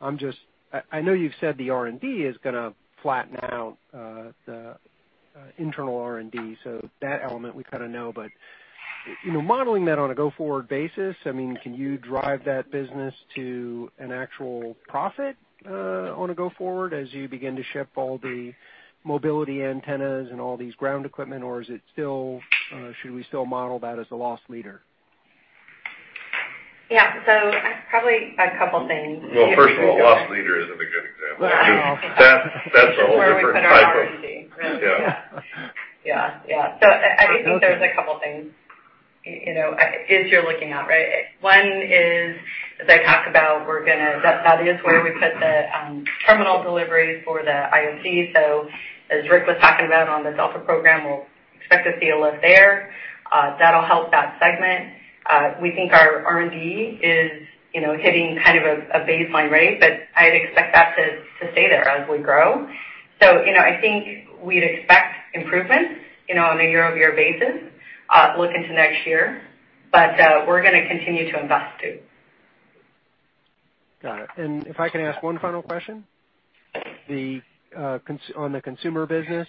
I know you've said the R&D is going to flatten out, the internal R&D. That element we kind of know. Modeling that on a go-forward basis, can you drive that business to an actual profit on a go-forward as you begin to ship all the mobility antennas and all these ground equipment, or should we still model that as a loss leader? Yeah. Probably a couple things. Well, first of all, loss leader isn't a good example. Yeah. That's a whole different type of- Where we put our R&D. Really. Yeah. Yeah. I think there's a couple things as you're looking out. One is, as I talk about, that is where we put the terminal deliveries for the IFC. As Rick was talking about on the Delta program, we'll expect to see a lift there. That'll help that segment. We think our R&D is hitting kind of a baseline rate, but I'd expect that to stay there as we grow. I think we'd expect improvements on a year-over-year basis looking to next year. We're going to continue to invest, too. Got it. If I can ask one final question on the consumer business.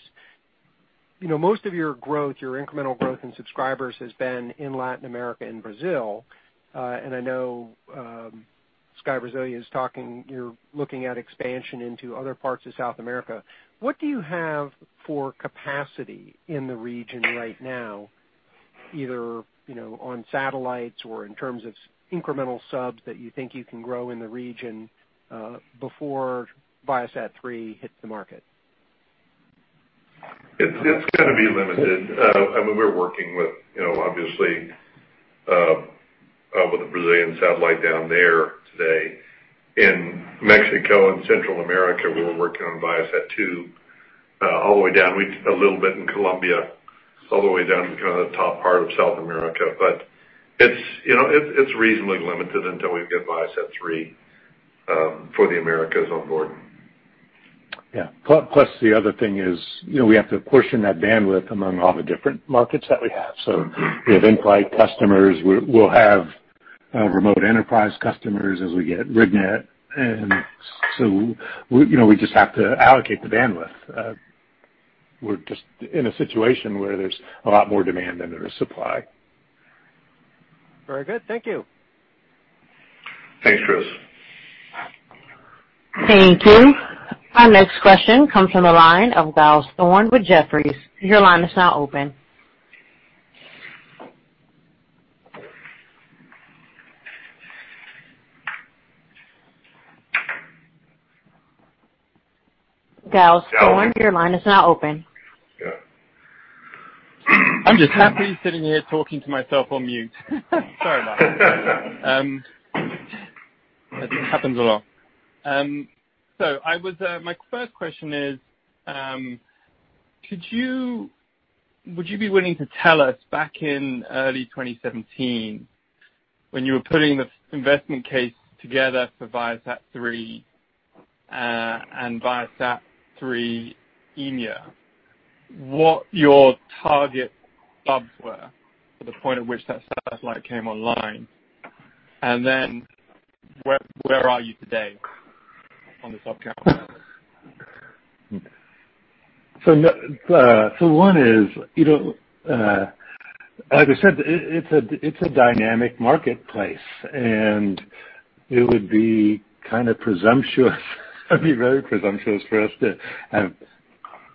Most of your growth, your incremental growth in subscribers has been in Latin America and Brazil. I know SKY Brasil is talking, you're looking at expansion into other parts of South America. What do you have for capacity in the region right now? Either on satellites or in terms of incremental subs that you think you can grow in the region, before ViaSat-3 hits the market. It's going to be limited. I mean, we're working with, obviously, with a Brazilian satellite down there today. In Mexico and Central America, we're working on ViaSat-2, all the way down, a little bit in Colombia, all the way down to kind of the top part of South America. It's reasonably limited until we get ViaSat-3 for the Americas on board. Yeah. The other thing is, we have to portion that bandwidth among all the different markets that we have. We have in-flight customers. We'll have remote enterprise customers as we get RigNet. We just have to allocate the bandwidth. We're just in a situation where there's a lot more demand than there is supply. Very good. Thank you. Thanks, Chris. Thank you. Our next question comes from the line of Giles Thorne with Jefferies. Your line is now open. Giles Thorne, your line is now open. I'm just happily sitting here talking to myself on mute. Sorry about that. It happens a lot. My first question is, would you be willing to tell us, back in early 2017, when you were putting the investment case together for ViaSat-3 and ViaSat-3 EMEA, what your target subs were for the point at which that satellite came online? Where are you today on the sub count? One is, like I said, it's a dynamic marketplace, and it would be very presumptuous for us to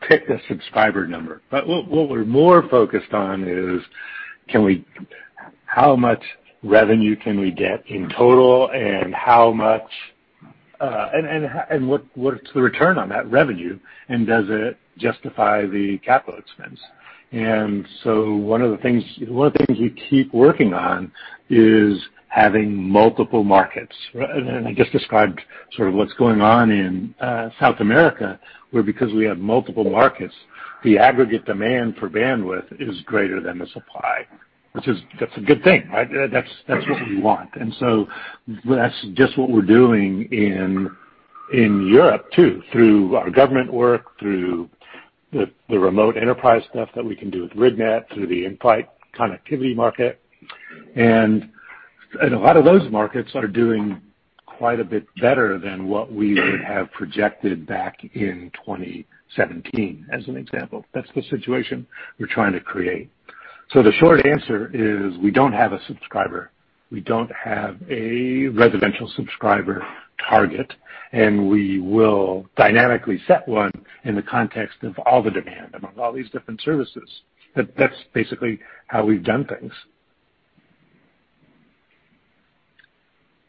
pick a subscriber number. What we're more focused on is how much revenue can we get in total and what's the return on that revenue, and does it justify the CapEx. One of the things you keep working on is having multiple markets. I just described sort of what's going on in South America, where, because we have multiple markets, the aggregate demand for bandwidth is greater than the supply, which is a good thing, right? That's what we want. That's just what we're doing in Europe, too, through our government work, through the remote enterprise stuff that we can do with RigNet, through the in-flight connectivity market. A lot of those markets are doing quite a bit better than what we would have projected back in 2017, as an example. That's the situation we're trying to create. The short answer is, we don't have a subscriber. We don't have a residential subscriber target, and we will dynamically set one in the context of all the demand among all these different services. That's basically how we've done things.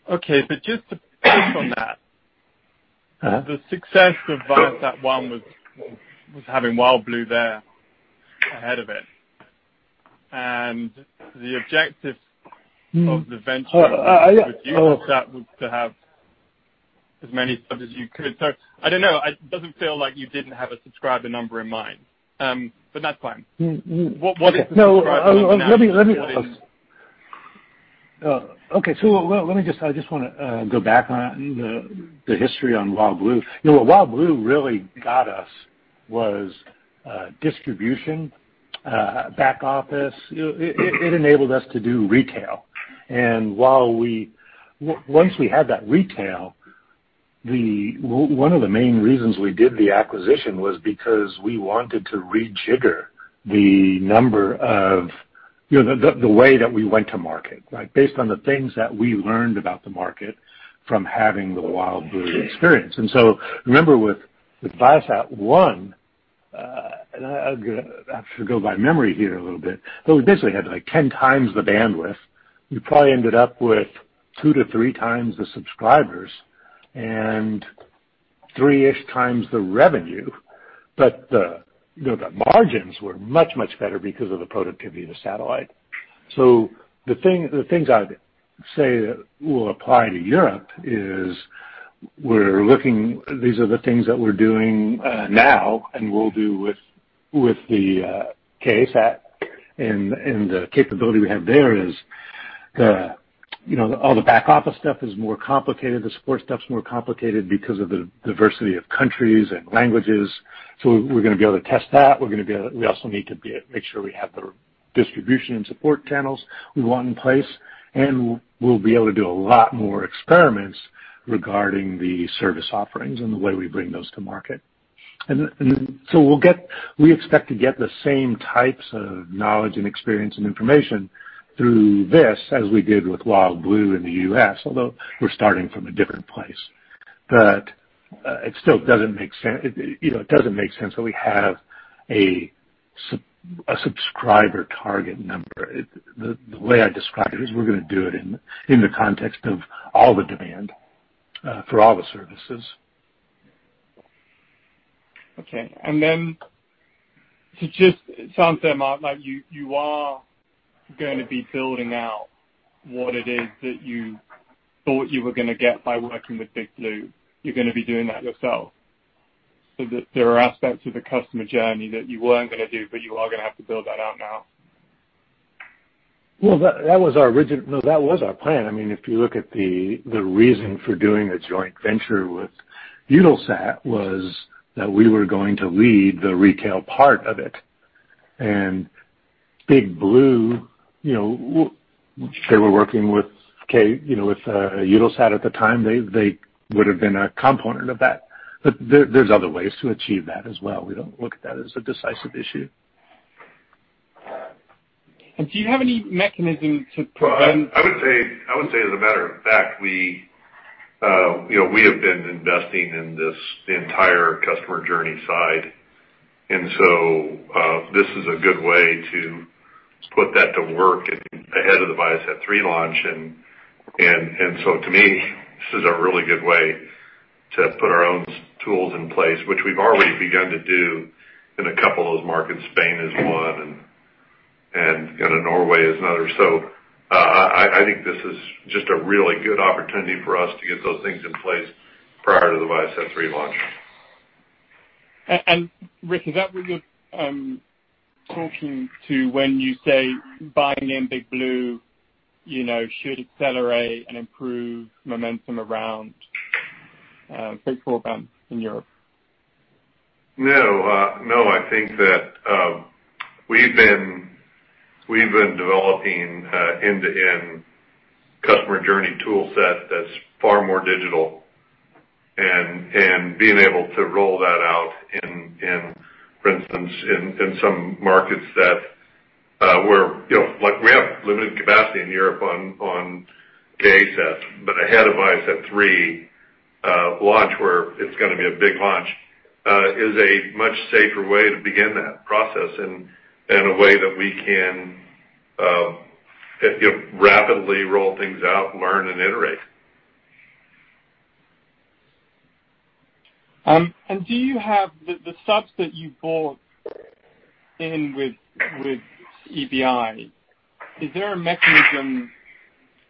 Okay. Just to push on that. The success of ViaSat-1 was having WildBlue there ahead of it, and the objective of the venture with Viasat was to have as many subs as you could. I don't know. It doesn't feel like you didn't have a subscriber number in mind. That's fine. What is the subscriber number now? Okay. I just want to go back on that and the history on WildBlue. What WildBlue really got us was distribution, back office. It enabled us to do retail. Once we had that retail, one of the main reasons we did the acquisition was because we wanted to rejigger the way that we went to market, based on the things that we learned about the market from having the WildBlue experience. Remember with ViaSat-1, I have to go by memory here a little bit, but we basically had 10 times the bandwidth. We probably ended up with two to three times the subscribers and 3x the revenue. The margins were much, much better because of the productivity of the satellite. The things I'd say that will apply to Europe is these are the things that we're doing now and will do with the KA-SAT, and the capability we have there is all the back office stuff is more complicated. The support stuff's more complicated because of the diversity of countries and languages. We're going to be able to test that. We also need to make sure we have the distribution and support channels we want in place, and we'll be able to do a lot more experiments regarding the service offerings and the way we bring those to market. We expect to get the same types of knowledge and experience, and information through this, as we did with WildBlue in the U.S., although we're starting from a different place. It still doesn't make sense. It doesn't make sense that we have a subscriber target number. The way I describe it is we're going to do it in the context of all the demand for all the services. Okay. It sounds then, Mark, like you are going to be building out what it is that you thought you were going to get by working with Bigblu. You're going to be doing that yourself, so that there are aspects of the customer journey that you weren't going to do, but you are going to have to build that out now. Well, that was our plan. If you look at the reason for doing a joint venture with Eutelsat was that we were going to lead the retail part of it. Bigblu, they were working with Eutelsat at the time. They would've been a component of that, but there's other ways to achieve that as well. We don't look at that as a decisive issue. Do you have any mechanism to prevent? I would say, as a matter of fact, we have been investing in this entire customer journey side. This is a good way to put that to work ahead of the ViaSat-3 launch. To me, this is a really good way to put our own tools in place, which we've already begun to do in a couple of those markets. Spain is one and Norway is another. I think this is just a really good opportunity for us to get those things in place prior to the ViaSat-3 launch. Rick, is that what you're talking to when you say buying in Big Blue should accelerate and improve momentum around fixed broadband in Europe? No. I think that we've been developing end-to-end customer journey tool set that's far more digital and being able to roll that out, for instance, in some markets that like we have limited capacity in Europe on KA-SAT, but ahead of ViaSat-3 launch, where it's going to be a big launch, is a much safer way to begin that process in a way that we can rapidly roll things out, learn, and iterate. Do you have the subs that you bought in with EBI, is there a mechanism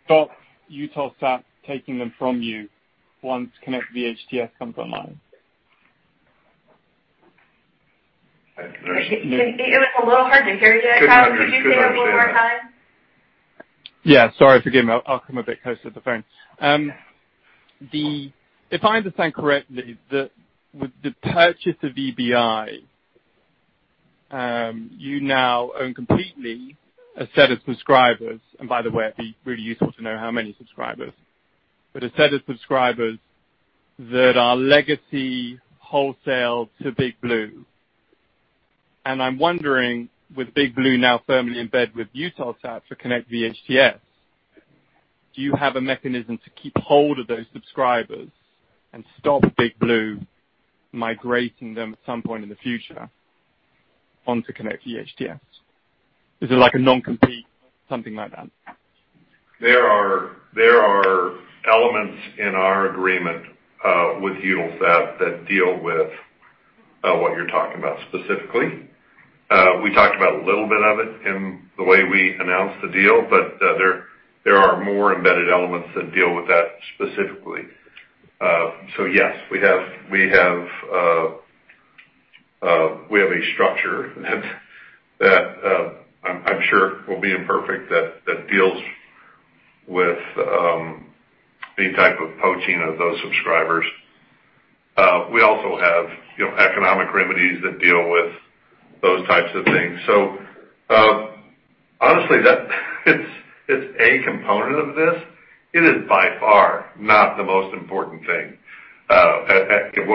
to stop Eutelsat taking them from you once Konnect VHTS comes online? It's a little hard to hear you. Couldn't understand that. Could you say that one more time? Yeah. Sorry, forgive me. I'll come a bit closer to the phone. If I understand correctly, with the purchase of EBI, you now own completely a set of subscribers, and by the way, it'd be really useful to know how many subscribers. A set of subscribers that are legacy wholesale to Big Blue. I'm wondering, with Big Blue now firmly in bed with Eutelsat for Konnect VHTS, do you have a mechanism to keep hold of those subscribers and stop Big Blue migrating them at some point in the future onto Konnect VHTS? Is it like a non-compete, something like that? There are elements in our agreement with Eutelsat that deal with what you're talking about specifically. We talked about a little bit of it in the way we announced the deal, but there are more embedded elements that deal with that specifically. Yes, we have a structure that I'm sure will be imperfect that deals with any type of poaching of those subscribers. We also have economic remedies that deal with those types of things. Honestly, it's a component of this. It is by far not the most important thing. I'd say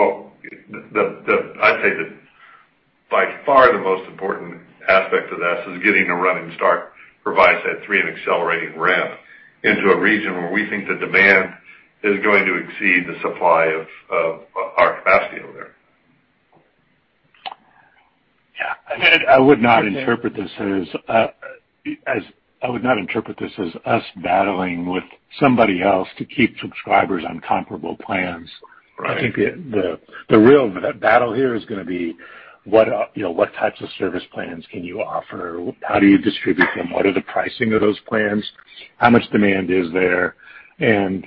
that by far the most important aspect of this is getting a running start for ViaSat-3 and accelerating ramp into a region where we think the demand is going to exceed the supply of our capacity over there. Yeah. I would not interpret this as us battling with somebody else to keep subscribers on comparable plans. Right. I think the real battle here is going to be what types of service plans can you offer, how do you distribute them, what are the pricing of those plans, how much demand is there, and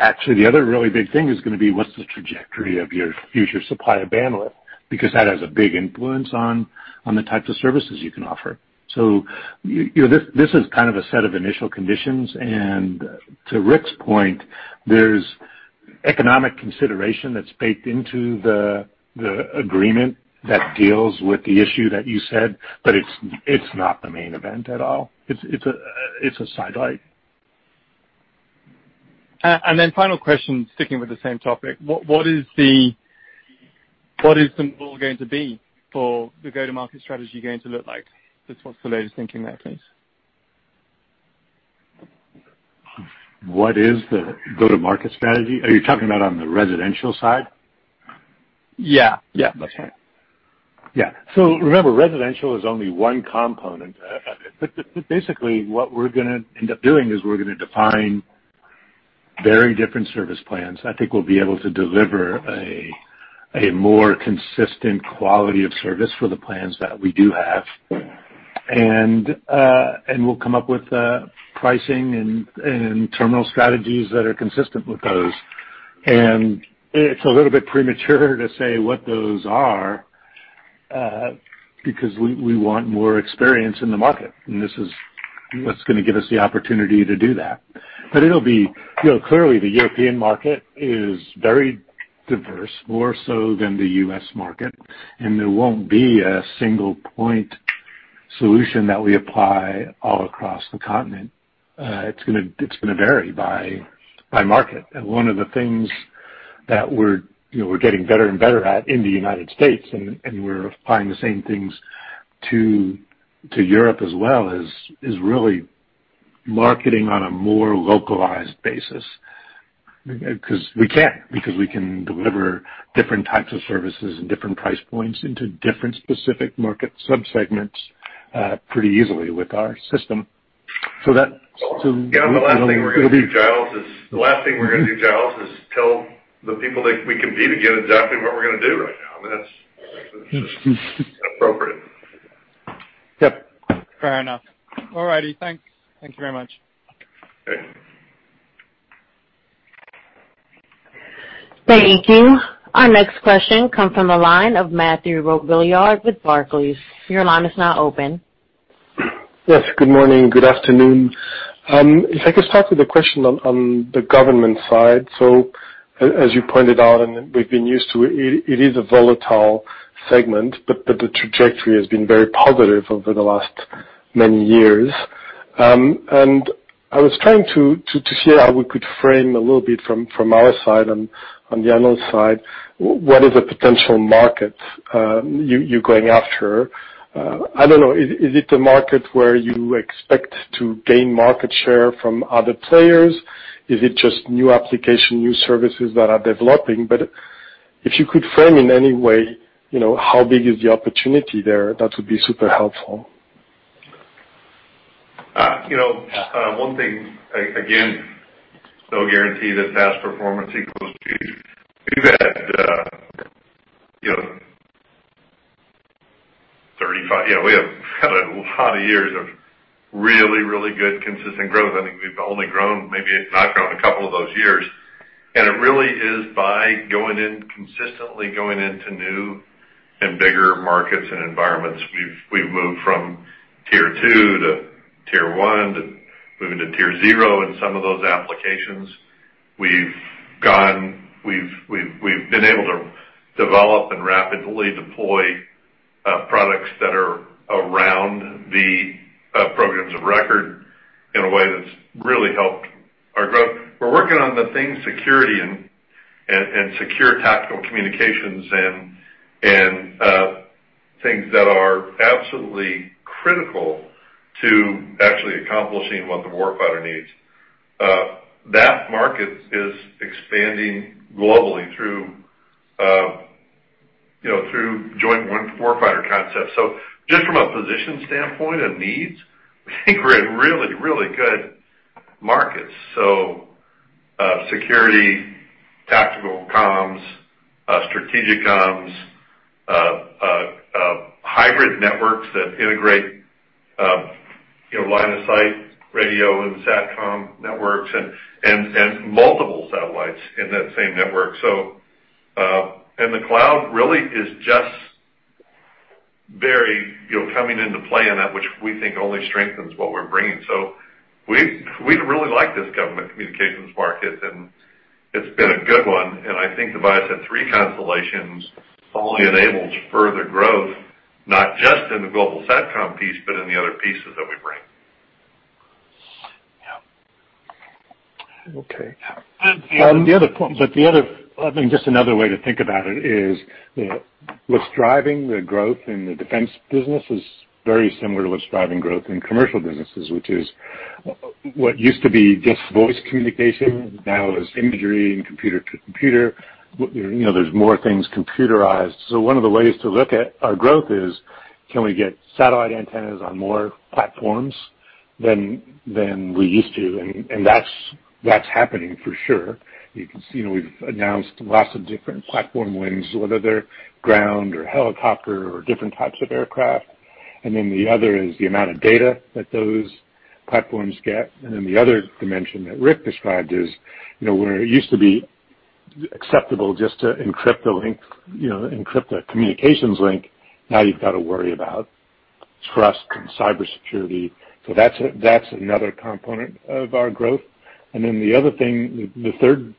actually the other really big thing is going to be what's the trajectory of your future supply of bandwidth, because that has a big influence on the types of services you can offer. This is kind of a set of initial conditions, and to Rick's point, there's economic consideration that's baked into the agreement that deals with the issue that you said, but it's not the main event at all. It's a sidelight. Final question, sticking with the same topic, what is all going to be for the go-to-market strategy going to look like? Just what's the latest thinking there, please? What is the go-to-market strategy? Are you talking about on the residential side? Yeah. Okay. Yeah. Remember, residential is only one component. Basically what we're going to end up doing is we're going to define very different service plans. I think we'll be able to deliver a more consistent quality of service for the plans that we do have. We'll come up with pricing and terminal strategies that are consistent with those. It's a little bit premature to say what those are, because we want more experience in the market, and this is what's going to give us the opportunity to do that. Clearly, the European market is very diverse, more so than the U.S. market, and there won't be a single point solution that we apply all across the continent. It's going to vary by market. One of the things that we're getting better and better at in the U.S., and we're applying the same things to Europe as well, is really marketing on a more localized basis. Because we can. Because we can deliver different types of services and different price points into different specific market sub-segments pretty easily with our system. Yeah, the last thing we're going to do, Giles, is tell the people that we compete against exactly what we're going to do right now. That's. Yep. Fair enough. All righty. Thanks. Thank you very much. Okay. Thank you. Our next question comes from the line of Mathieu Robilliard with Barclays. Your line is now open. Yes. Good morning, good afternoon. If I could start with a question on the government side. As you pointed out, and we've been used to it is a volatile segment, but the trajectory has been very positive over the last many years. I was trying to see how we could frame a little bit from our side, on the analyst side, what is the potential market you're going after. I don't know, is it a market where you expect to gain market share from other players? Is it just new application, new services that are developing? If you could frame in any way, how big is the opportunity there, that would be super helpful. One thing, again, no guarantee that past performance equals future. We've had a lot of years of really good, consistent growth. I think we've only grown, maybe not grown a couple of those years. It really is by consistently going into new and bigger markets and environments. We've moved from Tier 2 to Tier 1, to moving to tier 0 in some of those applications. We've been able to develop and rapidly deploy products that are around the programs of record in a way that's really helped our growth. We're working on the things security and secure tactical communications and things that are absolutely critical to actually accomplishing what the warfighter needs. That market is expanding globally through joint warfighter concepts. Just from a position standpoint of needs, we think we're in really good markets. Security, tactical comms, strategic comms, hybrid networks that integrate line of sight radio and SATCOM networks and multiple satellites in that same network. The cloud really is just very coming into play in that which we think only strengthens what we're bringing. We really like this government communications market, and it's been a good one, and I think the ViaSat-3 constellation only enables further growth, not just in the global SATCOM piece, but in the other pieces that we bring. Yeah. I think just another way to think about it is what's driving the growth in the defense business is very similar to what's driving growth in commercial businesses, which is what used to be just voice communication now is imagery and computer to computer. There's more things computerized. One of the ways to look at our growth is, can we get satellite antennas on more platforms than we used to? That's happening for sure. You can see we've announced lots of different platform wins, whether they're ground or helicopter or different types of aircraft. The other is the amount of data that those platforms get. The other dimension that Rick described is, where it used to be acceptable just to encrypt a link, encrypt a communications link, now you've got to worry about trust and cybersecurity. That's another component of our growth. The other thing, the third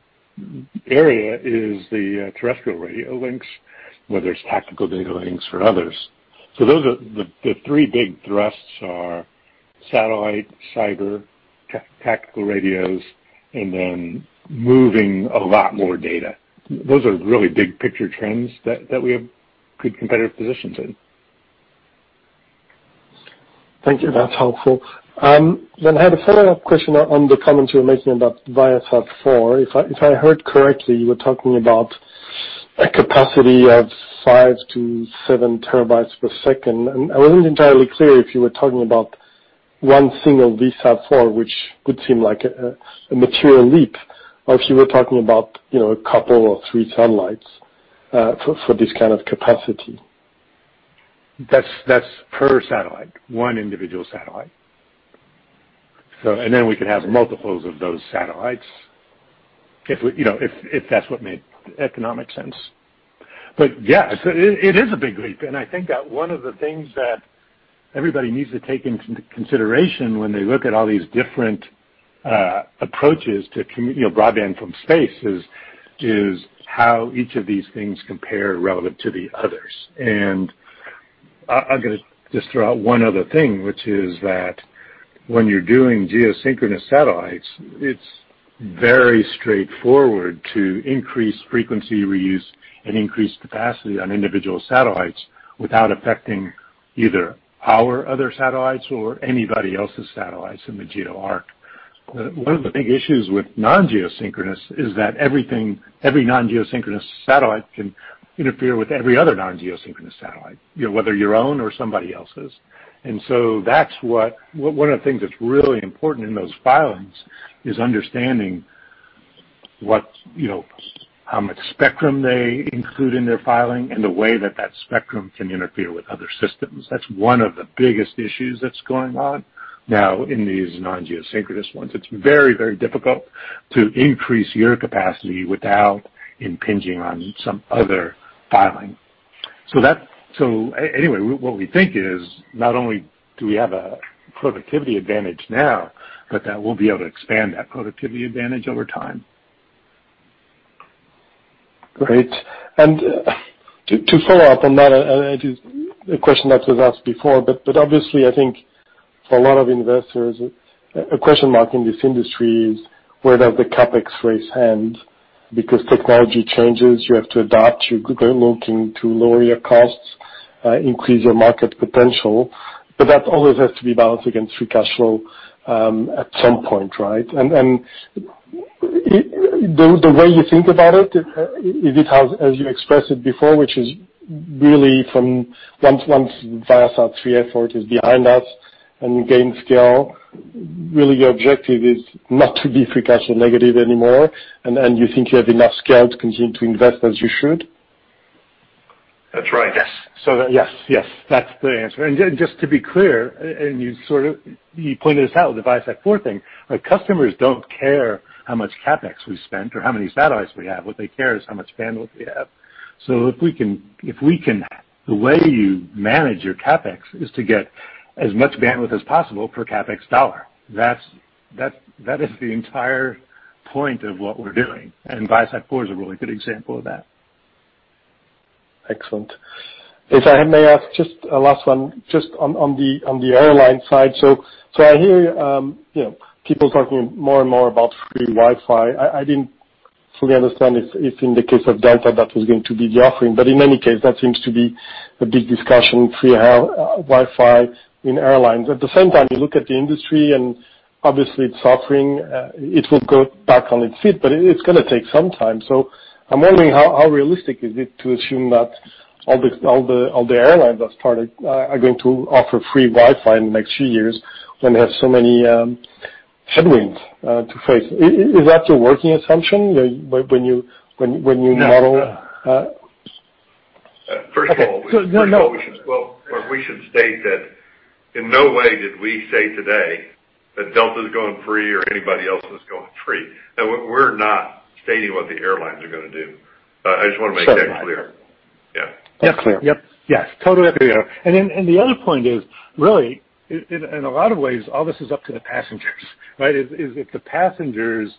area is the terrestrial radio links, whether it's tactical data links for others. Those are the three big thrusts are satellite, cyber, tactical radios, and then moving a lot more data. Those are really big picture trends that we have good competitive positions in. Thank you. That's helpful. I had a follow-up question on the comments you were making about ViaSat-4. If I heard correctly, you were talking about a capacity of 5 TB/s-7 TB/s. I wasn't entirely clear if you were talking about one single ViaSat-4, which would seem like a material leap, or if you were talking about a couple or three satellites for this kind of capacity. That's per satellite. One individual satellite. Then we could have multiples of those satellites if that's what made economic sense. Yeah, it is a big leap, and I think that one of the things that everybody needs to take into consideration when they look at all these different approaches to broadband from space is how each of these things compare relevant to the others. I'm going to just throw out one other thing, which is that when you're doing geosynchronous satellites, it's very straightforward to increase frequency reuse and increase capacity on individual satellites without affecting either our other satellites or anybody else's satellites in the geo arc. One of the big issues with non-geosynchronous is that every non-geosynchronous satellite can interfere with every other non-geosynchronous satellite, whether your own or somebody else's. That's one of the things that's really important in those filings is understanding how much spectrum they include in their filing and the way that that spectrum can interfere with other systems. That's one of the biggest issues that's going on now in these non-geosynchronous ones. It's very, very difficult to increase your capacity without impinging on some other filing. What we think is not only do we have a productivity advantage now, but that we'll be able to expand that productivity advantage over time. Great. To follow up on that, it is a question that was asked before, but obviously I think for a lot of investors, a question mark in this industry is where does the CapEx race end? Technology changes, you have to adapt, you're looking to lower your costs, increase your market potential. That always has to be balanced against free cash flow at some point, right? The way you think about it, as you expressed it before, which is really from once ViaSat-3 effort is behind us and you gain scale, really your objective is not to be free cash flow negative anymore, and you think you have enough scale to continue to invest as you should? That's right. Yes. Yes, that's the answer. Just to be clear, and you sort of pointed this out with the ViaSat-4 thing, customers don't care how much CapEx we spend or how many satellites we have. What they care is how much bandwidth we have. The way you manage your CapEx is to get as much bandwidth as possible per CapEx dollar. That is the entire point of what we're doing. ViaSat-4 is a really good example of that. Excellent. If I may ask just a last one, just on the airline side. I hear people talking more and more about free Wi-Fi. I didn't fully understand if in the case of Delta that was going to be the offering, but in any case, that seems to be a big discussion, free Wi-Fi in airlines. At the same time, you look at the industry and obviously it's offering, it will go back on its feet, but it's going to take some time. I'm wondering how realistic is it to assume that all the airlines that started are going to offer free Wi-Fi in the next few years when they have so many headwinds to face? Is that your working assumption when you model- First of all, we should state that in no way did we say today that Delta is going free or anybody else is going free. We're not stating what the airlines are going to do. I just want to make that clear. Sure. Yes. Totally agree. The other point is, really, in a lot of ways, all this is up to the passengers, right? If the passengers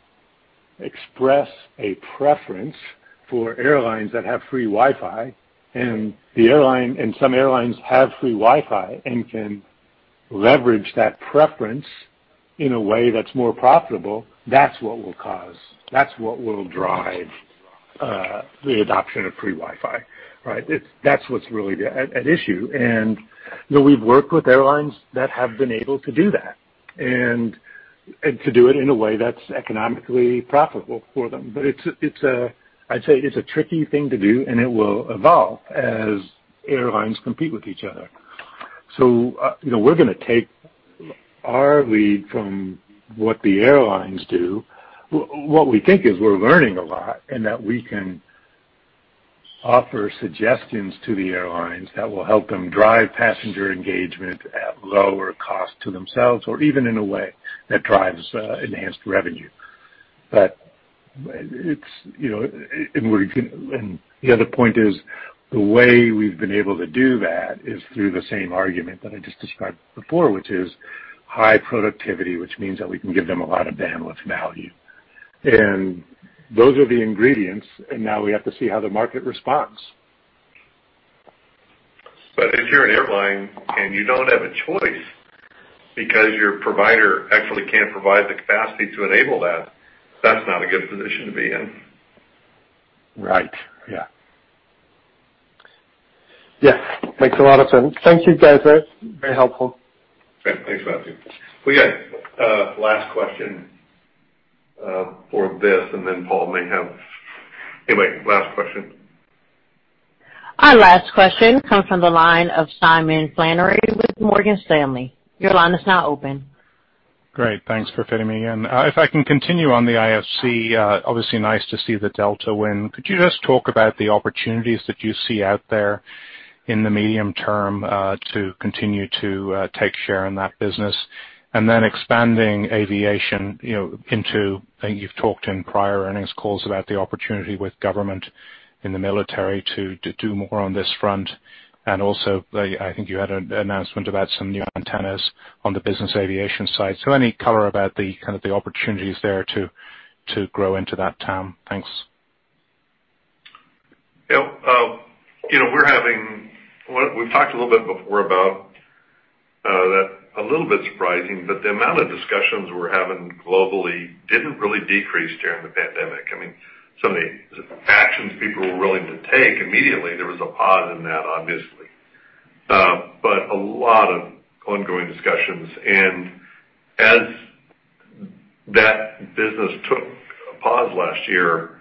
express a preference for airlines that have free Wi-Fi and some airlines have free Wi-Fi and can leverage that preference in a way that's more profitable, that's what will drive the adoption of free Wi-Fi, right? That's what's really at issue. We've worked with airlines that have been able to do that, and to do it in a way that's economically profitable for them. I'd say it's a tricky thing to do, and it will evolve as airlines compete with each other. We're going to take our lead from what the airlines do. What we think is we're learning a lot and that we can offer suggestions to the airlines that will help them drive passenger engagement at lower cost to themselves, or even in a way that drives enhanced revenue. The other point is, the way we've been able to do that is through the same argument that I just described before, which is high productivity, which means that we can give them a lot of bandwidth value. Those are the ingredients, and now we have to see how the market responds. If you're an airline and you don't have a choice because your provider actually can't provide the capacity to enable that's not a good position to be in. Right. Yeah. Yes. Makes a lot of sense. Thank you, guys. That's very helpful. Great. Thanks, Mathieu. We got last question for this. Anyway, last question. Our last question comes from the line of Simon Flannery with Morgan Stanley. Your line is now open. Great. Thanks for fitting me in. If I can continue on the IFC, obviously nice to see the Delta win. Could you just talk about the opportunities that you see out there in the medium term, to continue to take share in that business? Expanding aviation into, I think you've talked in prior earnings calls about the opportunity with government in the military to do more on this front. I think you had an announcement about some new antennas on the business aviation side. Any color about the kind of the opportunities there to grow into that TAM? Thanks. Yep. We've talked a little bit before about that, a little bit surprising, but the amount of discussions we're having globally didn't really decrease during the pandemic. Some of the actions people were willing to take immediately, there was a pause in that, obviously. A lot of ongoing discussions. As that business took a pause last year,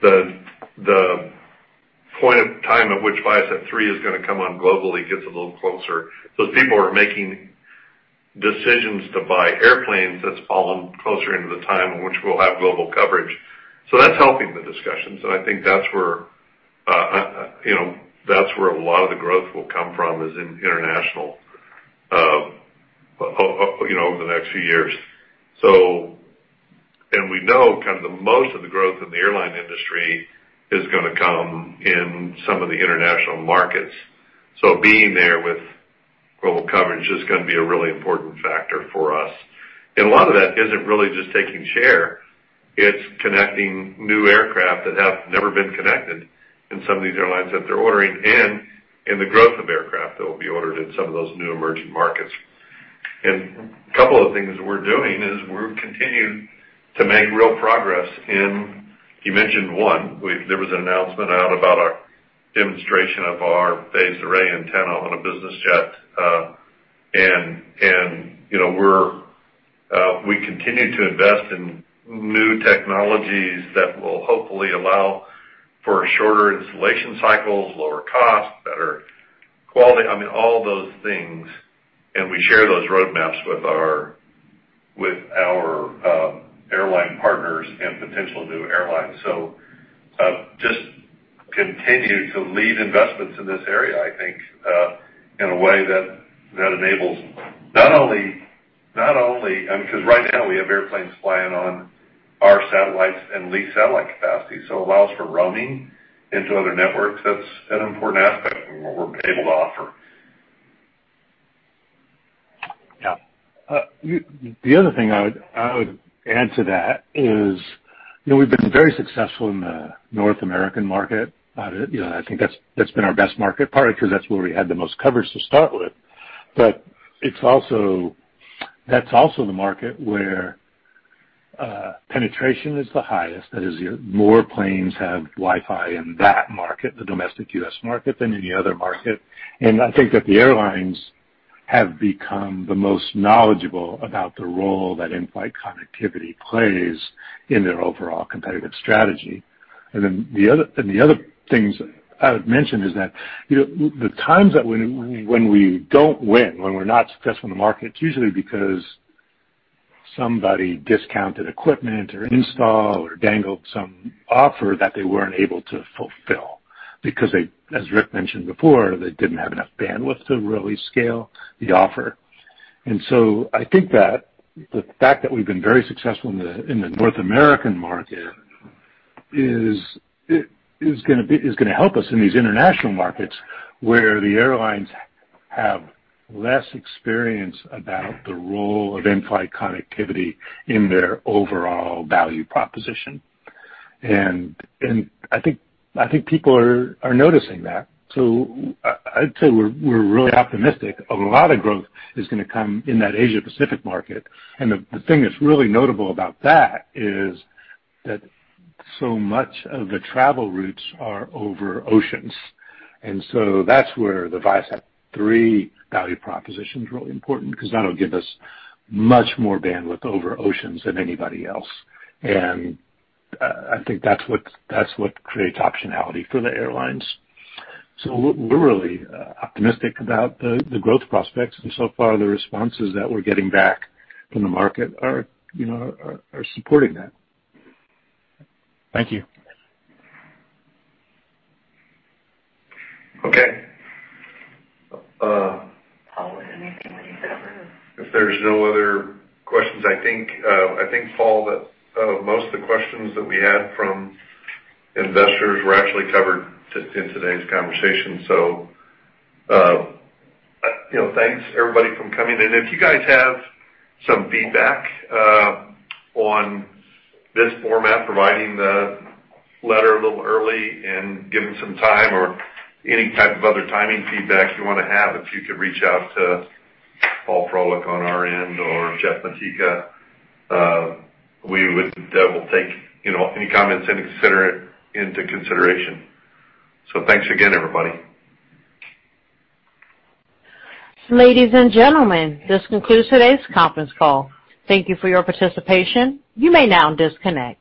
the point of time at which ViaSat-3 is going to come on globally gets a little closer. As people are making decisions to buy airplanes, that's falling closer into the time in which we'll have global coverage. That's helping the discussions, and I think that's where a lot of the growth will come from, is in international over the next few years. We know kind of the most of the growth in the airline industry is going to come in some of the international markets. Being there with global coverage is going to be a really important factor for us. A lot of that isn't really just taking share. It's connecting new aircraft that have never been connected in some of these airlines that they're ordering and in the growth of aircraft that will be ordered in some of those new emerging markets. A couple of things we're doing is we're continuing to make real progress in, you mentioned one, there was an announcement out about our demonstration of our phased array antenna on a business jet. We continue to invest in new technologies that will hopefully allow for shorter installation cycles, lower cost, better quality, all those things. We share those roadmaps with our airline partners and potential new airlines. Just continue to lead investments in this area, I think, in a way that enables not only-- because right now we have airplanes flying on our satellites and lease satellite capacity, so allows for roaming into other networks. That's an important aspect in what we're able to offer. Yeah. The other thing I would add to that is we've been very successful in the North American market. I think that's been our best market, partly because that's where we had the most coverage to start with. That's also the market where penetration is the highest. That is, more planes have Wi-Fi in that market, the domestic U.S. market, than any other market. I think that the airlines have become the most knowledgeable about the role that in-flight connectivity plays in their overall competitive strategy. The other things I would mention is that, the times when we don't win, when we're not successful in the market, it's usually because somebody discounted equipment or an install or dangled some offer that they weren't able to fulfill because they, as Rick mentioned before, they didn't have enough bandwidth to really scale the offer. I think that the fact that we've been very successful in the North American market is going to help us in these international markets where the airlines have less experience about the role of in-flight connectivity in their overall value proposition. I think people are noticing that. I'd say we're really optimistic. A lot of growth is going to come in that Asia-Pacific market. The thing that's really notable about that is that so much of the travel routes are over oceans. That's where the ViaSat-3 value proposition is really important because that'll give us much more bandwidth over oceans than anybody else. I think that's what creates optionality for the airlines. We're really optimistic about the growth prospects, and so far, the responses that we're getting back from the market are supporting that. Thank you. Okay. If there's no other questions, I think, Paul, that most of the questions that we had from investors were actually covered just in today's conversation. Thanks everybody for coming in. If you guys have some feedback on this format, providing the letter a little early and giving some time or any type of other timing feedback you want to have, if you could reach out to Paul Froelich on our end or Jeff Matika. We'll take any comments and consider it into consideration. Thanks again, everybody. Ladies and gentlemen, this concludes today's conference call. Thank you for your participation. You may now disconnect.